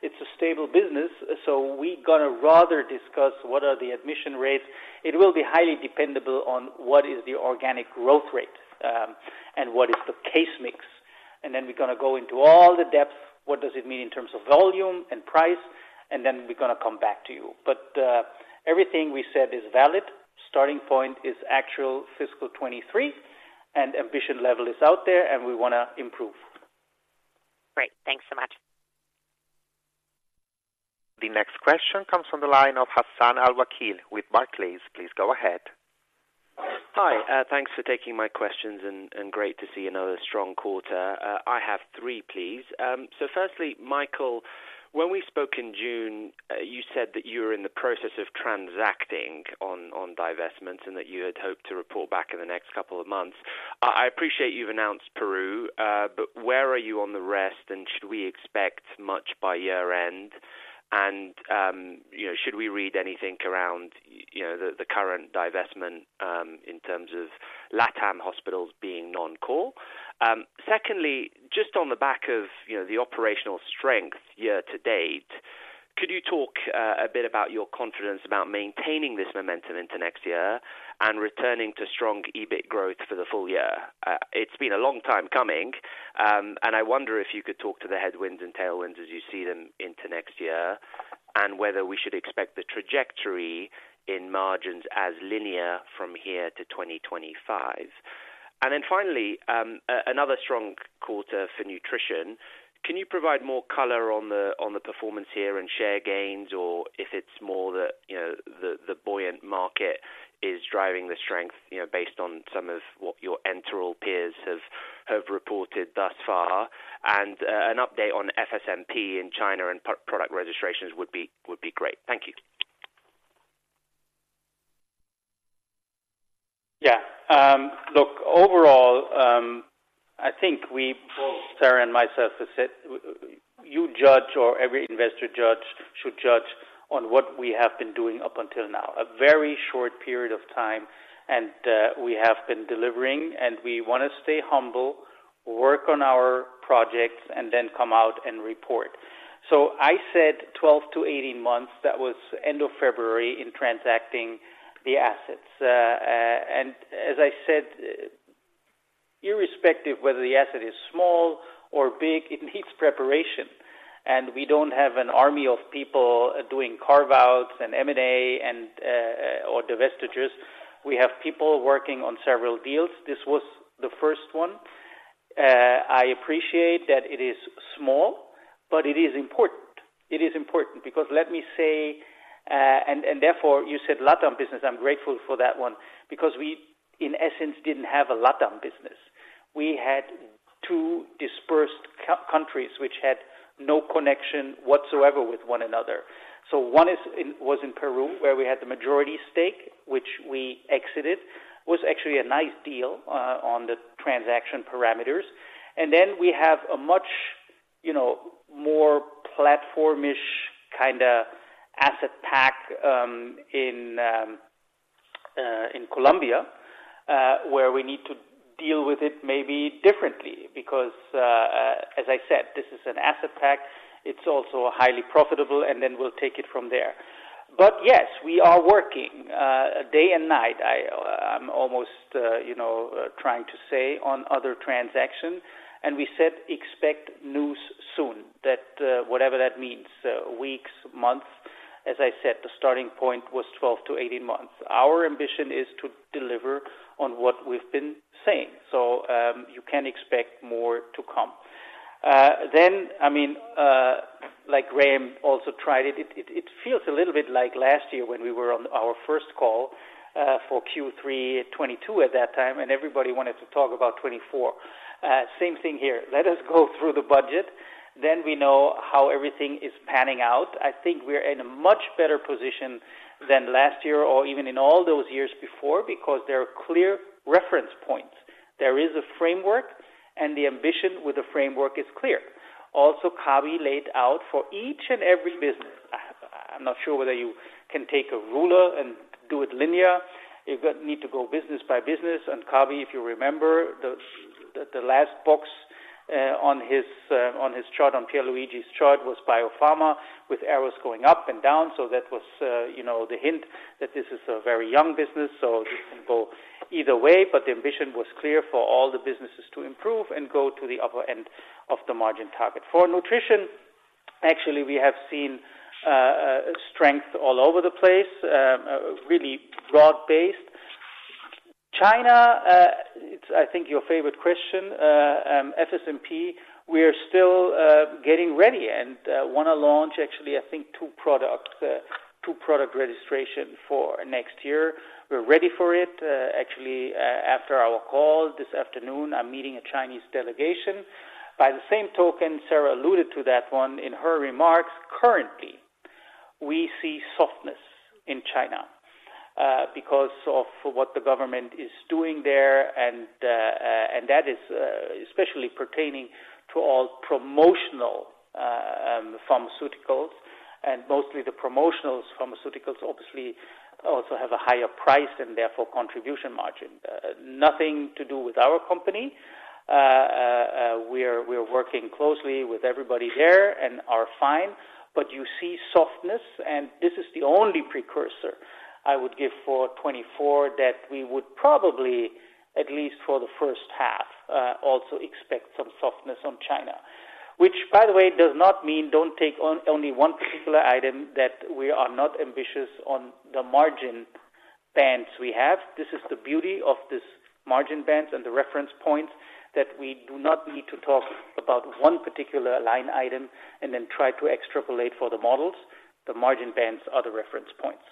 it's a stable business, so we gonna rather discuss what are the admission rates. It will be highly dependent on what is the organic growth rate, and what is the case mix. And then we're gonna go into all the depth, what does it mean in terms of volume and price, and then we're gonna come back to you. But, everything we said is valid. Starting point is actual fiscal 2023, and ambition level is out there, and we wanna improve. Great. Thanks so much. ...The next question comes from the line of Hassan Al-Wakeel with Barclays. Please go ahead. Hi, thanks for taking my questions and great to see another strong quarter. I have three, please. So firstly, Michael, when we spoke in June, you said that you were in the process of transacting on divestments and that you had hoped to report back in the next couple of months. I appreciate you've announced Peru, but where are you on the rest, and should we expect much by year-end? And, you know, should we read anything around, you know, the current divestment in terms of LatAm hospitals being non-core? Secondly, just on the back of, you know, the operational strength year to date, could you talk a bit about your confidence about maintaining this momentum into next year and returning to strong EBIT growth for the full year? It's been a long time coming, and I wonder if you could talk to the headwinds and tailwinds as you see them into next year, and whether we should expect the trajectory in margins as linear from here to 2025. And then finally, another strong quarter for nutrition. Can you provide more color on the performance here and share gains, or if it's more that, you know, the buoyant market is driving the strength, you know, based on some of what your enteral peers have reported thus far? And an update on FSMP in China and product registrations would be great. Thank you. Yeah. Look, overall, I think we, both Sara and myself have said, you judge or every investor judge, should judge on what we have been doing up until now, a very short period of time, and we have been delivering, and we want to stay humble, work on our projects, and then come out and report. So I said 12-18 months, that was end of February, in transacting the assets. And as I said, irrespective whether the asset is small or big, it needs preparation, and we don't have an army of people doing carve-outs and M&A and or divestitures. We have people working on several deals. This was the first one. I appreciate that it is small, but it is important. It is important because let me say, and therefore, you said LatAm business, I'm grateful for that one, because we, in essence, didn't have a LatAm business. We had two dispersed countries which had no connection whatsoever with one another. So one was in Peru, where we had the majority stake, which we exited, was actually a nice deal, on the transaction parameters. And then we have a much, you know, more platform-ish kinda asset pack, in in Colombia, where we need to deal with it maybe differently because, as I said, this is an asset pack. It's also highly profitable, and then we'll take it from there. But yes, we are working, day and night. I'm almost, you know, trying to say on other transactions, and we said, expect news soon, that, whatever that means, weeks, months. As I said, the starting point was 12-18 months. Our ambition is to deliver on what we've been saying, so, you can expect more to come. Then, I mean, like Graham also tried it, it feels a little bit like last year when we were on our first call, for Q3 2022 at that time, and everybody wanted to talk about 2024. Same thing here. Let us go through the budget, then we know how everything is panning out. I think we're in a much better position than last year or even in all those years before, because there are clear reference points. There is a framework, and the ambition with the framework is clear. Also, Kabi laid out for each and every business. I'm not sure whether you can take a ruler and do it linear. You need to go business by business, and Kabi, if you remember, the last box on his chart, on Pierluigi's chart, was Biopharma, with arrows going up and down. So that was, you know, the hint that this is a very young business, so this can go either way, but the ambition was clear for all the businesses to improve and go to the upper end of the margin target. For nutrition, actually, we have seen strength all over the place, really broad-based. China, it's, I think, your favorite question. FSMP, we are still getting ready and want to launch actually, I think, two products, two product registration for next year. We're ready for it. Actually, after our call this afternoon, I'm meeting a Chinese delegation. By the same token, Sara alluded to that one in her remarks. Currently, we see softness in China because of what the government is doing there, and that is especially pertaining to all promotional pharmaceuticals, and mostly the promotional pharmaceuticals obviously also have a higher price and therefore contribution margin. Nothing to do with our company. We're working closely with everybody there and are fine, but you see softness, and this is the only precursor I would give for 2024, that we would probably, at least for the first half, also expect some softness on China. Which, by the way, does not mean don't take on- only one particular item that we are not ambitious on the margin-... bands we have. This is the beauty of this margin bands and the reference points, that we do not need to talk about one particular line item and then try to extrapolate for the models. The margin bands are the reference points.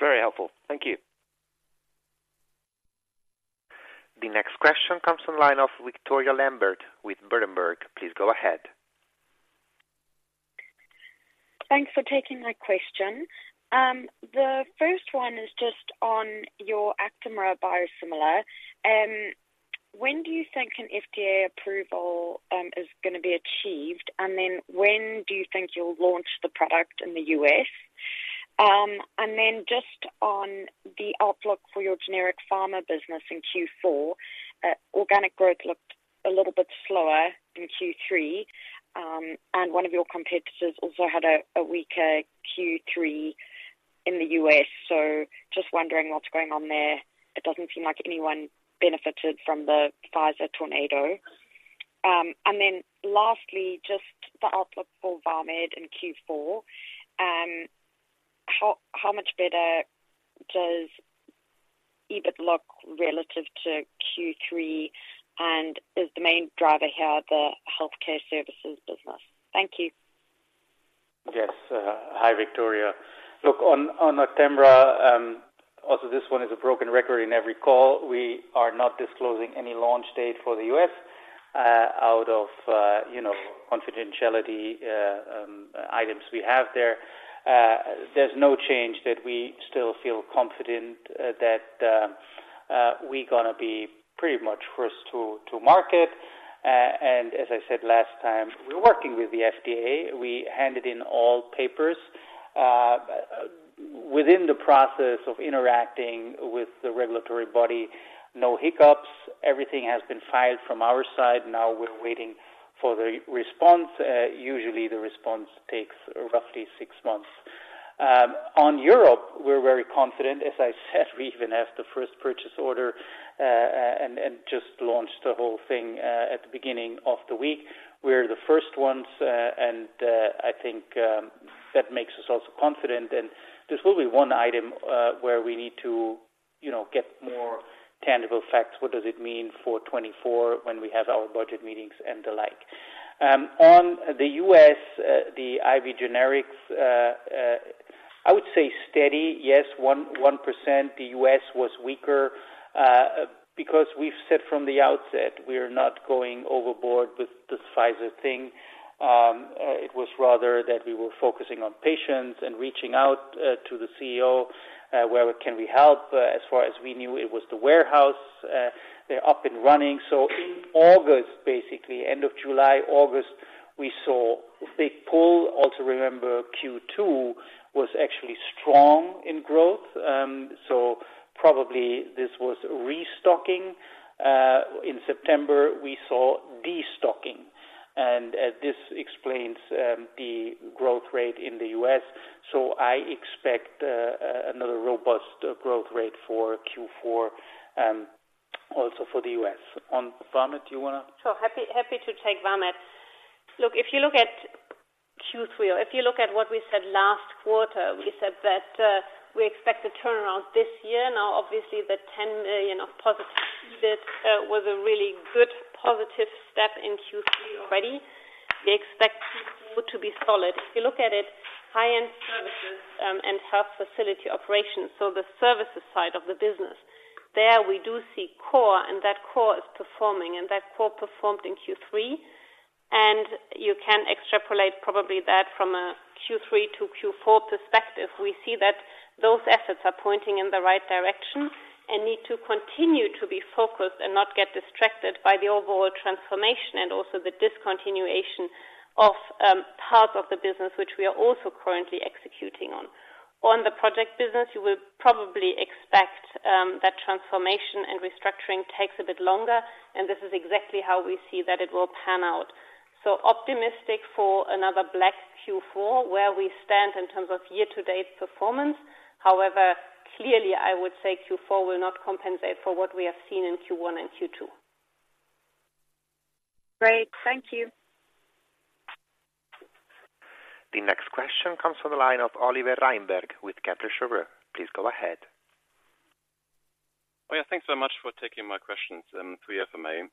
Very helpful. Thank you. The next question comes from the line of Victoria Lambert with Berenberg. Please go ahead. Thanks for taking my question. The first one is just on your Actemra biosimilar. When do you think an FDA approval is gonna be achieved? And then when do you think you'll launch the product in the U.S.? And then just on the outlook for your generic pharma business in Q4, organic growth looked a little bit slower in Q3, and one of your competitors also had a weaker Q3 in the U.S. So just wondering what's going on there. It doesn't seem like anyone benefited from the Pfizer tornado. And then lastly, just the outlook for VAMED in Q4, how much better does EBIT look relative to Q3? And is the main driver here, the healthcare services business? Thank you. Yes. Hi, Victoria. Look, on Actemra, also, this one is a broken record in every call. We are not disclosing any launch date for the U.S., out of, you know, confidentiality items we have there. There's no change that we still feel confident that we're gonna be pretty much first to market. And as I said last time, we're working with the FDA. We handed in all papers. Within the process of interacting with the regulatory body, no hiccups, everything has been filed from our side. Now we're waiting for the response. Usually, the response takes roughly six months. On Europe, we're very confident. As I said, we even have the first purchase order, and just launched the whole thing at the beginning of the week. We're the first ones, and, I think, that makes us also confident. And this will be one item, where we need to, you know, get more tangible facts. What does it mean for 2024 when we have our budget meetings and the like? On the U.S., the IV generics, I would say steady. Yes, 1.1%, the U.S. was weaker, because we've said from the outset, we are not going overboard with this Pfizer thing. It was rather that we were focusing on patients and reaching out to the CEO, where can we help? As far as we knew, it was the warehouse, they're up and running. So in August, basically, end of July, August, we saw a big pull. Also, remember, Q2 was actually strong in growth, so probably this was restocking. In September, we saw destocking, and this explains the growth rate in the U.S. So I expect another robust growth rate for Q4, also for the U.S. On VAMED, do you wanna? Sure. Happy, happy to take VAMED. Look, if you look at Q3, or if you look at what we said last quarter, we said that, we expect a turnaround this year. Now, obviously, the 10 million of positive EBIT was a really good positive step in Q3 already. We expect Q4 to be solid. If you look at it, high-end services, and health facility operations, so the services side of the business, there we do see core, and that core is performing, and that core performed in Q3. And you can extrapolate probably that from a Q3 to Q4 perspective. We see that those assets are pointing in the right direction and need to continue to be focused and not get distracted by the overall transformation and also the discontinuation of, parts of the business, which we are also currently executing on. On the project business, you will probably expect that transformation and restructuring takes a bit longer, and this is exactly how we see that it will pan out. So optimistic for another black Q4, where we stand in terms of year-to-date performance. However, clearly, I would say Q4 will not compensate for what we have seen in Q1 and Q2. Great, thank you. The next question comes from the line of Oliver Metzger with Kepler Cheuvreux. Please go ahead. Oh, yeah, thanks so much for taking my questions, three, if Imay.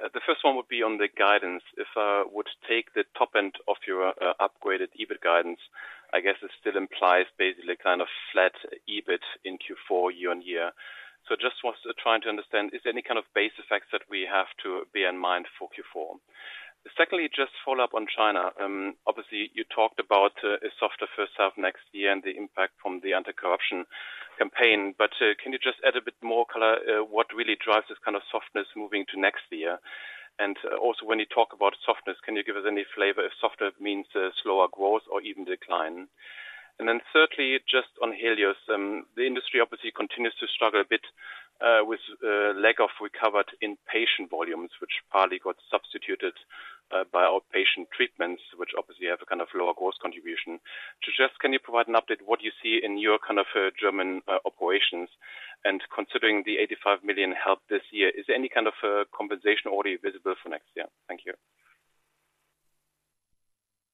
The first one would be on the guidance. If I would take the top end of your upgraded EBIT guidance, I guess it still implies basically kind of flat EBIT in Q4 year on year. Just was trying to understand, is there any kind of base effects that we have to bear in mind for Q4? Secondly, just follow up on China. Obviously, you talked about a softer first half next year and the impact from the anti-corruption campaign. Can you just add a bit more color, what really drives this kind of softness moving to next year? Also, when you talk about softness, can you give us any flavor if softer means slower growth or even decline? Then thirdly, just on Helios, the industry obviously continues to struggle a bit with lack of recovered inpatient volumes, which partly got substituted by outpatient treatments, which obviously have a kind of lower gross contribution. So just, can you provide an update, what you see in your kind of German operations? And considering the 85 million for Helios this year, is there any kind of compensation already visible for next year? Thank you....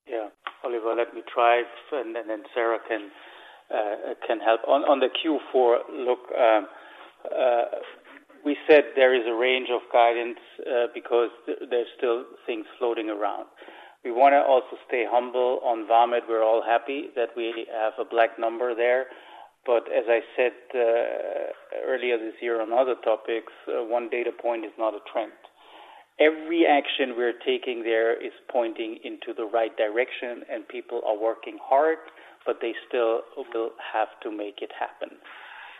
Yeah, Oliver, let me try and then Sara can help. On the Q4, look, we said there is a range of guidance because there's still things floating around. We wanna also stay humble on VAMED. We're all happy that we have a black number there. But as I said earlier this year on other topics, one data point is not a trend. Every action we're taking there is pointing into the right direction, and people are working hard, but they still will have to make it happen.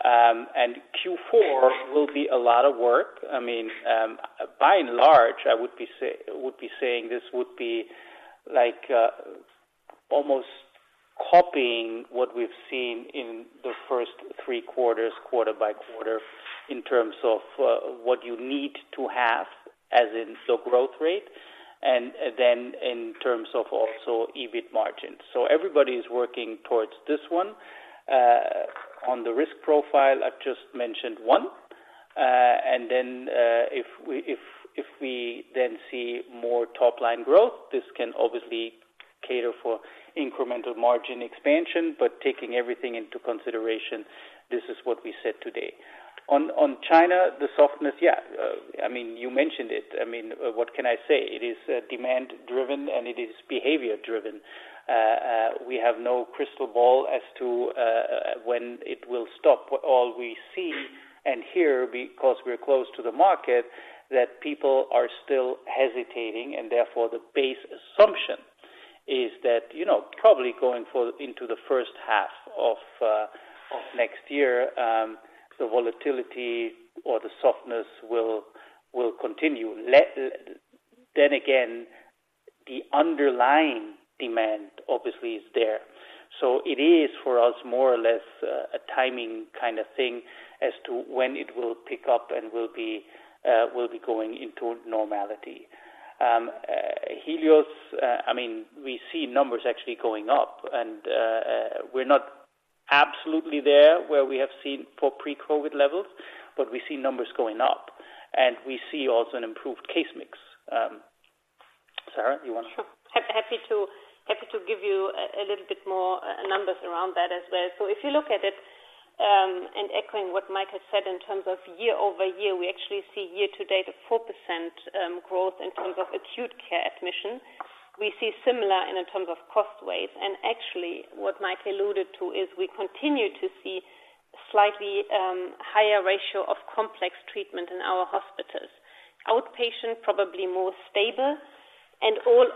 And Q4 will be a lot of work. I mean, by and large, I would be saying this would be like almost copying what we've seen in the first three quarters, quarter by quarter, in terms of what you need to have, as in the growth rate, and then in terms of also, EBIT margins. So everybody is working towards this one. On the risk profile, I've just mentioned one. And then, if we then see more top line growth, this can obviously cater for incremental margin expansion, but taking everything into consideration, this is what we said today. On China, the softness, yeah, I mean, you mentioned it. I mean, what can I say? It is demand driven, and it is behavior driven. We have no crystal ball as to when it will stop. All we see and hear, because we're close to the market, that people are still hesitating, and therefore, the base assumption is that, you know, probably going for into the first half of next year, the volatility or the softness will continue. Then again, the underlying demand obviously is there. So it is, for us, more or less, a timing kind of thing as to when it will pick up and will be going into normality. Helios, I mean, we see numbers actually going up, and we're not absolutely there where we have seen for pre-COVID levels, but we see numbers going up, and we see also an improved case mix. Sara, you wanna? Sure. Happy to, happy to give you a little bit more numbers around that as well. So if you look at it, and echoing what Mike has said, in terms of year-over-year, we actually see year to date, a 4% growth in terms of acute care admission. We see similar in terms of cost weight. And actually, what Mike alluded to is we continue to see slightly higher ratio of complex treatment in our hospitals. Outpatient, probably more stable, and all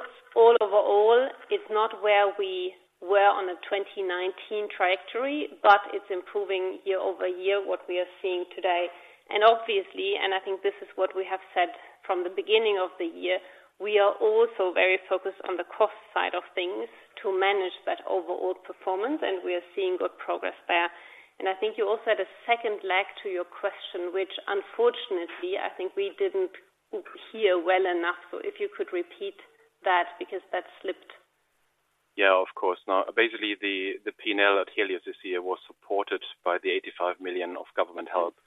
overall, it's not where we were on a 2019 trajectory, but it's improving year-over-year, what we are seeing today. Obviously, I think this is what we have said from the beginning of the year, we are also very focused on the cost side of things to manage that overall performance, and we are seeing good progress there. I think you also had a second leg to your question, which unfortunately, I think we didn't hear well enough. If you could repeat that, because that slipped. Yeah, of course. Now, basically, the P&L at Helios this year was supported by the 85 million of government help.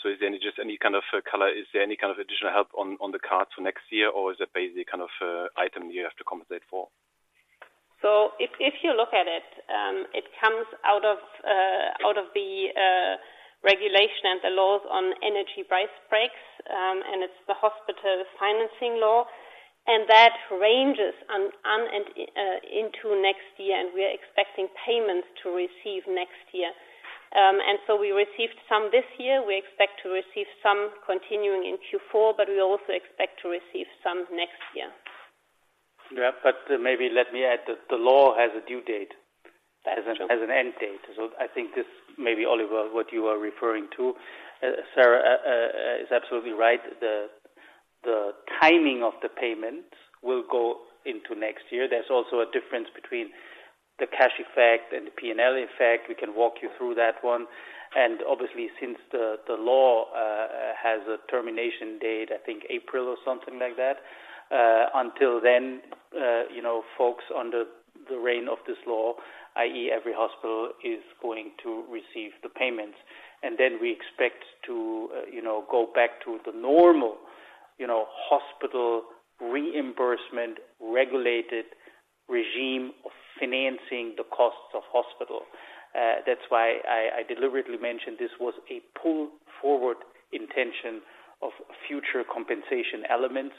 So is there any, just any kind of color? Is there any kind of additional help on the cards for next year, or is it basically kind of an item you have to compensate for? So if, if you look at it, it comes out of, out of the, regulation and the laws on energy price breaks, and it's the hospital financing law, and that ranges into next year, and we are expecting payments to receive next year. And so we received some this year. We expect to receive some continuing in Q4, but we also expect to receive some next year. Yeah, but maybe let me add, the law has a due date- Sure.... Has an end date. So I think this may be, Oliver, what you are referring to. Sarah is absolutely right. The timing of the payment will go into next year. There's also a difference between the cash effect and the P&L effect. We can walk you through that one. And obviously, since the law has a termination date, I think April or something like that, until then, you know, folks under the reign of this law, i.e., every hospital is going to receive the payments. And then we expect to, you know, go back to the normal, you know, hospital reimbursement, regulated regime of financing the costs of hospital. That's why I deliberately mentioned this was a pull forward intention of future compensation elements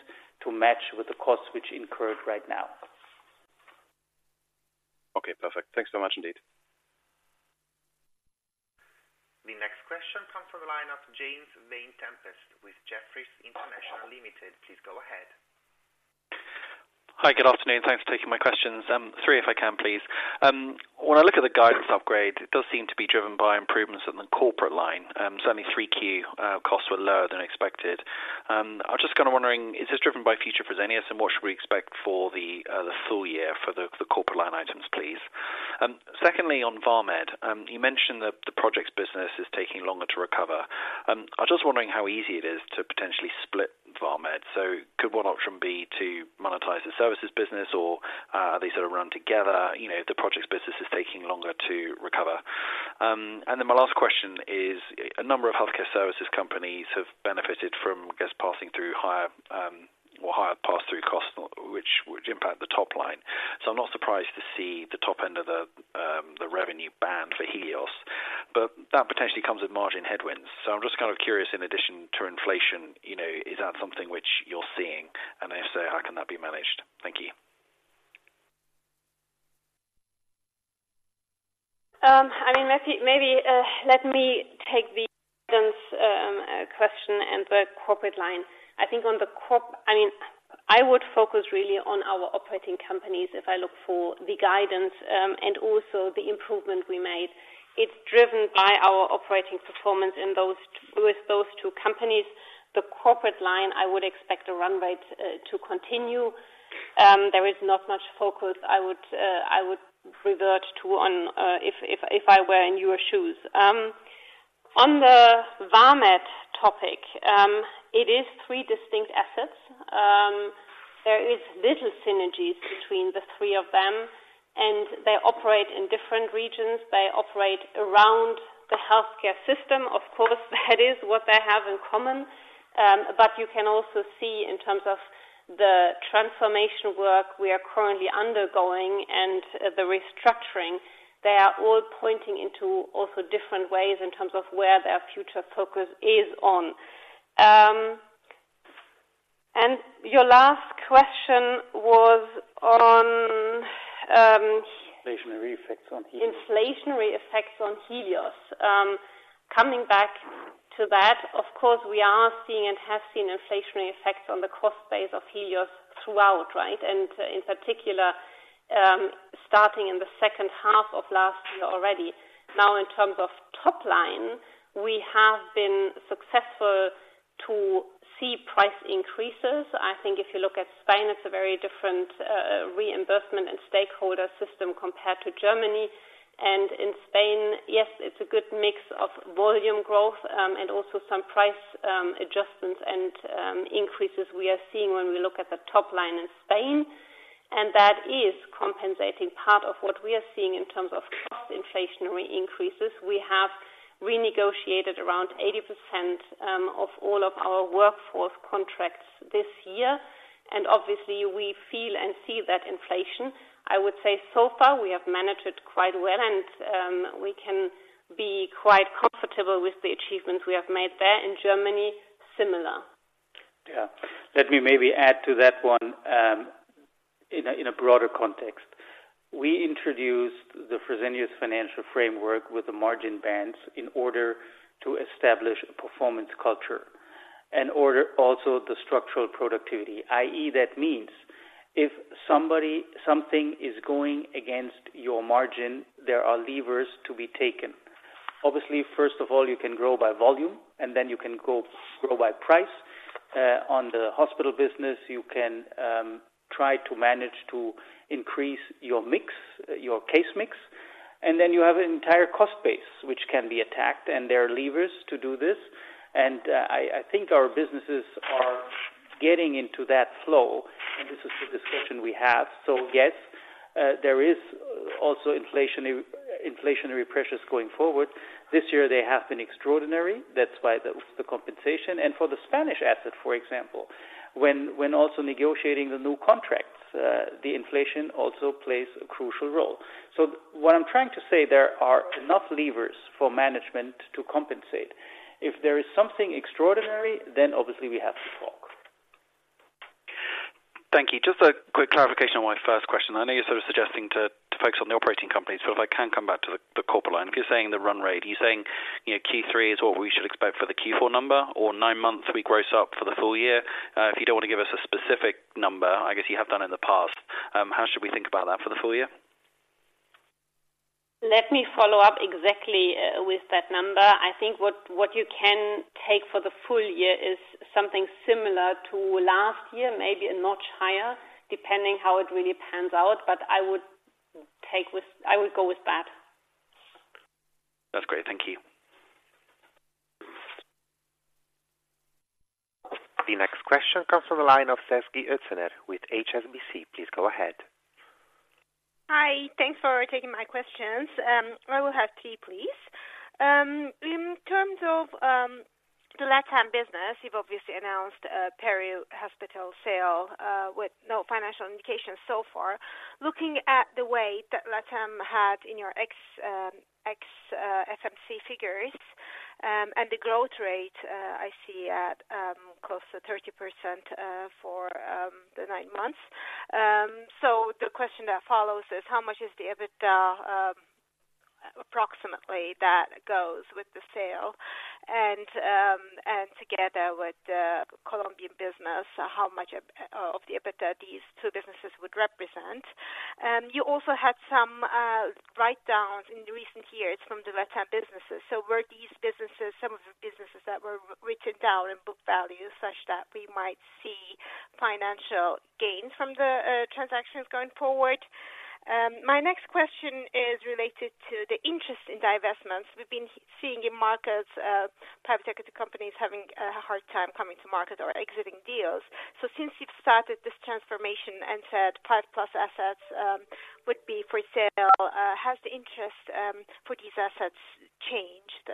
to match with the costs which incurred right now. Okay, perfect. Thanks so much, indeed. The next question comes from the line of James Vane-Tempest with Jefferies International Limited. Please go ahead. Hi, good afternoon. Thanks for taking my questions. Three, if I can, please. When I look at the guidance upgrade, it does seem to be driven by improvements in the corporate line. Certainly 3Q costs were lower than expected. I was just kind of wondering, is this driven by future Fresenius, and what should we expect for the full year for the corporate line items, please? Secondly, on VAMED, you mentioned that the projects business is taking longer to recover. I was just wondering how easy it is to potentially split VAMED. So could one option be to monetize the services business, or- these are run together, you know, the projects business is taking longer to recover. And then my last question is, a number of healthcare services companies have benefited from, I guess, passing through higher, or higher pass-through costs, which, which impact the top line. So I'm not surprised to see the top end of the, the revenue band for Helios, but that potentially comes with margin headwinds. So I'm just kind of curious, in addition to inflation, you know, is that something which you're seeing? And if so, how can that be managed? Thank you. I mean, maybe, maybe, let me take the question and the corporate line. I think on the corporate—I mean, I would focus really on our operating companies if I look for the guidance, and also the improvement we made. It's driven by our operating performance in those, with those two companies. The corporate line, I would expect the run rate to continue. There is not much focus I would revert to on, if I were in your shoes. On the VAMED topic, it is three distinct assets. There is little synergies between the three of them, and they operate in different regions. They operate around the healthcare system. Of course, that is what they have in common. But you can also see in terms of the transformation work we are currently undergoing and the restructuring, they are all pointing into also different ways in terms of where their future focus is on. And your last question was on, Inflationary effects on Helios. Inflationary effects on Helios. Coming back to that, of course, we are seeing and have seen inflationary effects on the cost base of Helios throughout, right? And in particular, starting in the second half of last year already. Now, in terms of top line, we have been successful to see price increases. I think if you look at Spain, it's a very different, reimbursement and stakeholder system compared to Germany. And in Spain, yes, it's a good mix of volume growth, and also some price, adjustments and, increases we are seeing when we look at the top line in Spain, and that is compensating part of what we are seeing in terms of cost inflationary increases. We have renegotiated around 80% of all of our workforce contracts this year, and obviously, we feel and see that inflation. I would say so far, we have managed it quite well and, we can be quite comfortable with the achievements we have made there. In Germany, similar. Yeah. Let me maybe add to that one, in a, in a broader context. We introduced the Fresenius financial framework with the margin bands in order to establish a performance culture, in order also the structural productivity, i.e., that means if something is going against your margin, there are levers to be taken. Obviously, first of all, you can grow by volume, and then you can go grow by price. On the hospital business, you can, try to manage to increase your mix, your case mix, and then you have an entire cost base, which can be attacked, and there are levers to do this. And, I, I think our businesses are getting into that flow, and this is the discussion we have. So yes, there is also inflation, inflationary pressures going forward. This year, they have been extraordinary. That's why the, the compensation. For the Spanish asset, for example, when also negotiating the new contracts, the inflation also plays a crucial role. So what I'm trying to say, there are enough levers for management to compensate. If there is something extraordinary, then obviously we have to talk. Thank you. Just a quick clarification on my first question. I know you're sort of suggesting to, to focus on the operating companies, but if I can come back to the, the corporate line. If you're saying the run rate, are you saying, you know, Q3 is what we should expect for the Q4 number, or nine months we gross up for the full year? If you don't want to give us a specific number, I guess you have done in the past, how should we think about that for the full year? Let me follow up exactly with that number. I think what you can take for the full year is something similar to last year, maybe a notch higher, depending how it really pans out, but I would take with, I would go with that. That's great. Thank you. The next question comes from the line of Sezgi Öztürk with HSBC. Please go ahead. Hi. Thanks for taking my questions. I will have tea, please. In terms of the LatAm business, you've obviously announced a Peru hospital sale with no financial indication so far. Looking at the weight that LatAm had in your ex-FMC figures and the growth rate I see at close to 30% for the nine months. So the question that follows is: How much is the EBITDA approximately that goes with the sale? And together with the Colombian business, how much of the EBITDA these two businesses would represent? You also had some write-downs in the recent years from the LatAm businesses. So were these businesses, some of the businesses that were written down in book value, such that we might see financial gains from the transactions going forward? My next question is related to the interest in divestments we've been seeing in markets, private equity companies having a hard time coming to market or exiting deals. So since you've started this transformation and said 5+ assets would be for sale, has the interest for these assets changed,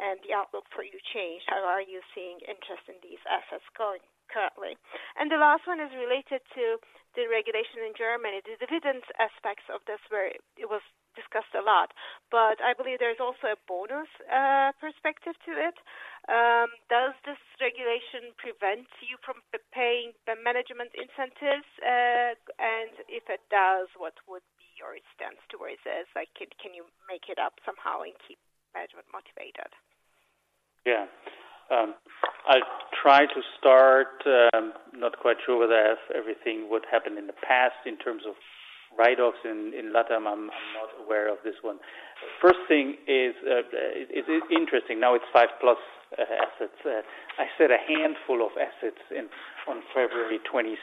and the outlook for you changed? How are you seeing interest in these assets going currently? And the last one is related to the regulation in Germany, the dividend aspects of this, where it was discussed a lot, but I believe there's also a bonus perspective to it. Does this regulation prevent you from paying the management incentives? If it does, what would be your stance towards this? Like, can you make it up somehow and keep management motivated? Yeah. I'll try to start, not quite sure whether if everything would happen in the past in terms of write-offs in LatAm. I'm not aware of this one. First thing is, it is interesting. Now it's 5+ assets. I said a handful of assets in on February 22.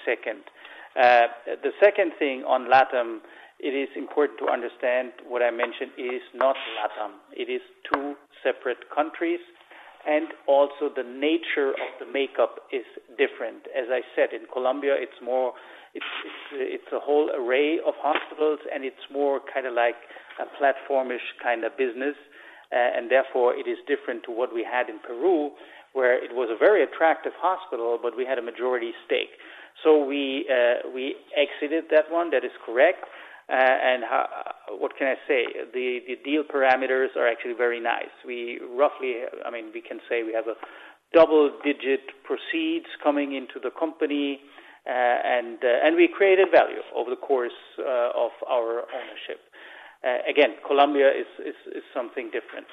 The second thing on LatAm, it is important to understand what I mentioned is not LatAm. It is two separate countries, and also the nature of the makeup is different. As I said, in Colombia, it's more, it's a whole array of hospitals, and it's more kind of like a platform-ish kind of business. And therefore, it is different to what we had in Peru, where it was a very attractive hospital, but we had a majority stake. So we exited that one. That is correct. And how... What can I say? The deal parameters are actually very nice. We roughly, I mean, we can say we have a double-digit proceeds coming into the company, and we created value over the course of our ownership. Again, Colombia is something different.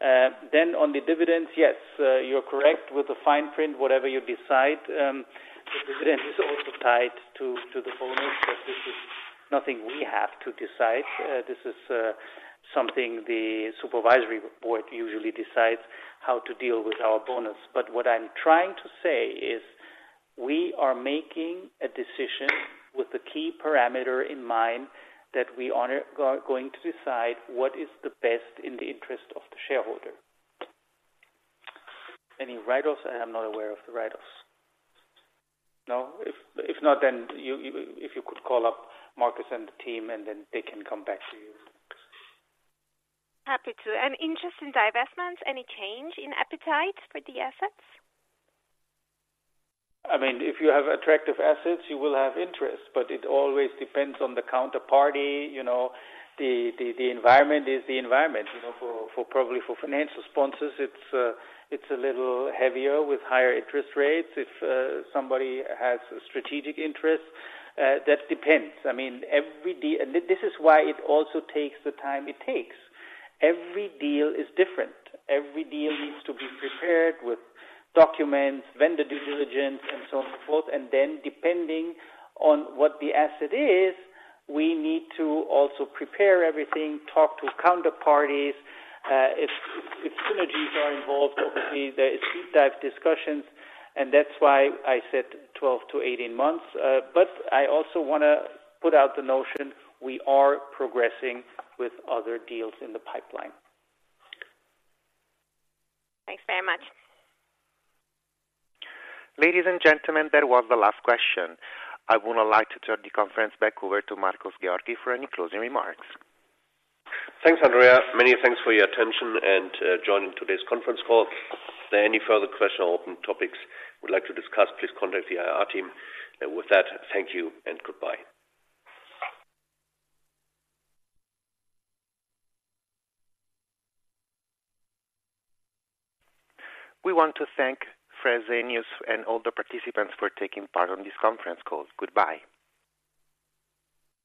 Then on the dividends, yes, you're correct. With the fine print, whatever you decide, the dividend is also tied to the bonus, but this is nothing we have to decide. This is something the supervisory board usually decides how to deal with our bonus. But what I'm trying to say is we are making a decision with the key parameter in mind that we honor—are going to decide what is the best in the interest of the shareholder. Any write-offs? I am not aware of the write-offs. No. If not, then, if you could call up Markus and the team, and then they can come back to you. Happy to. And interest in divestments, any change in appetite for the assets? I mean, if you have attractive assets, you will have interest, but it always depends on the counterparty. You know, the environment is the environment, you know, for probably for financial sponsors, it's a little heavier with higher interest rates. If somebody has a strategic interest, that depends. I mean, this is why it also takes the time it takes. Every deal is different. Every deal needs to be prepared with documents, vendor due diligence, and so on and so forth. And then depending on what the asset is, we need to also prepare everything, talk to counterparties. If synergies are involved, obviously there is deep dive discussions, and that's why I said 12-18 months. But I also want to put out the notion we are progressing with other deals in the pipeline. Thanks very much. Ladies and gentlemen, that was the last question. I would now like to turn the conference back over to Markus Georgi for any closing remarks. Thanks, Andrea. Many thanks for your attention and joining today's conference call. If there are any further questions or open topics you would like to discuss, please contact the IR team. And with that, thank you and goodbye. We want to thank Fred Zeniuss and all the participants for taking part on this conference call. Goodbye.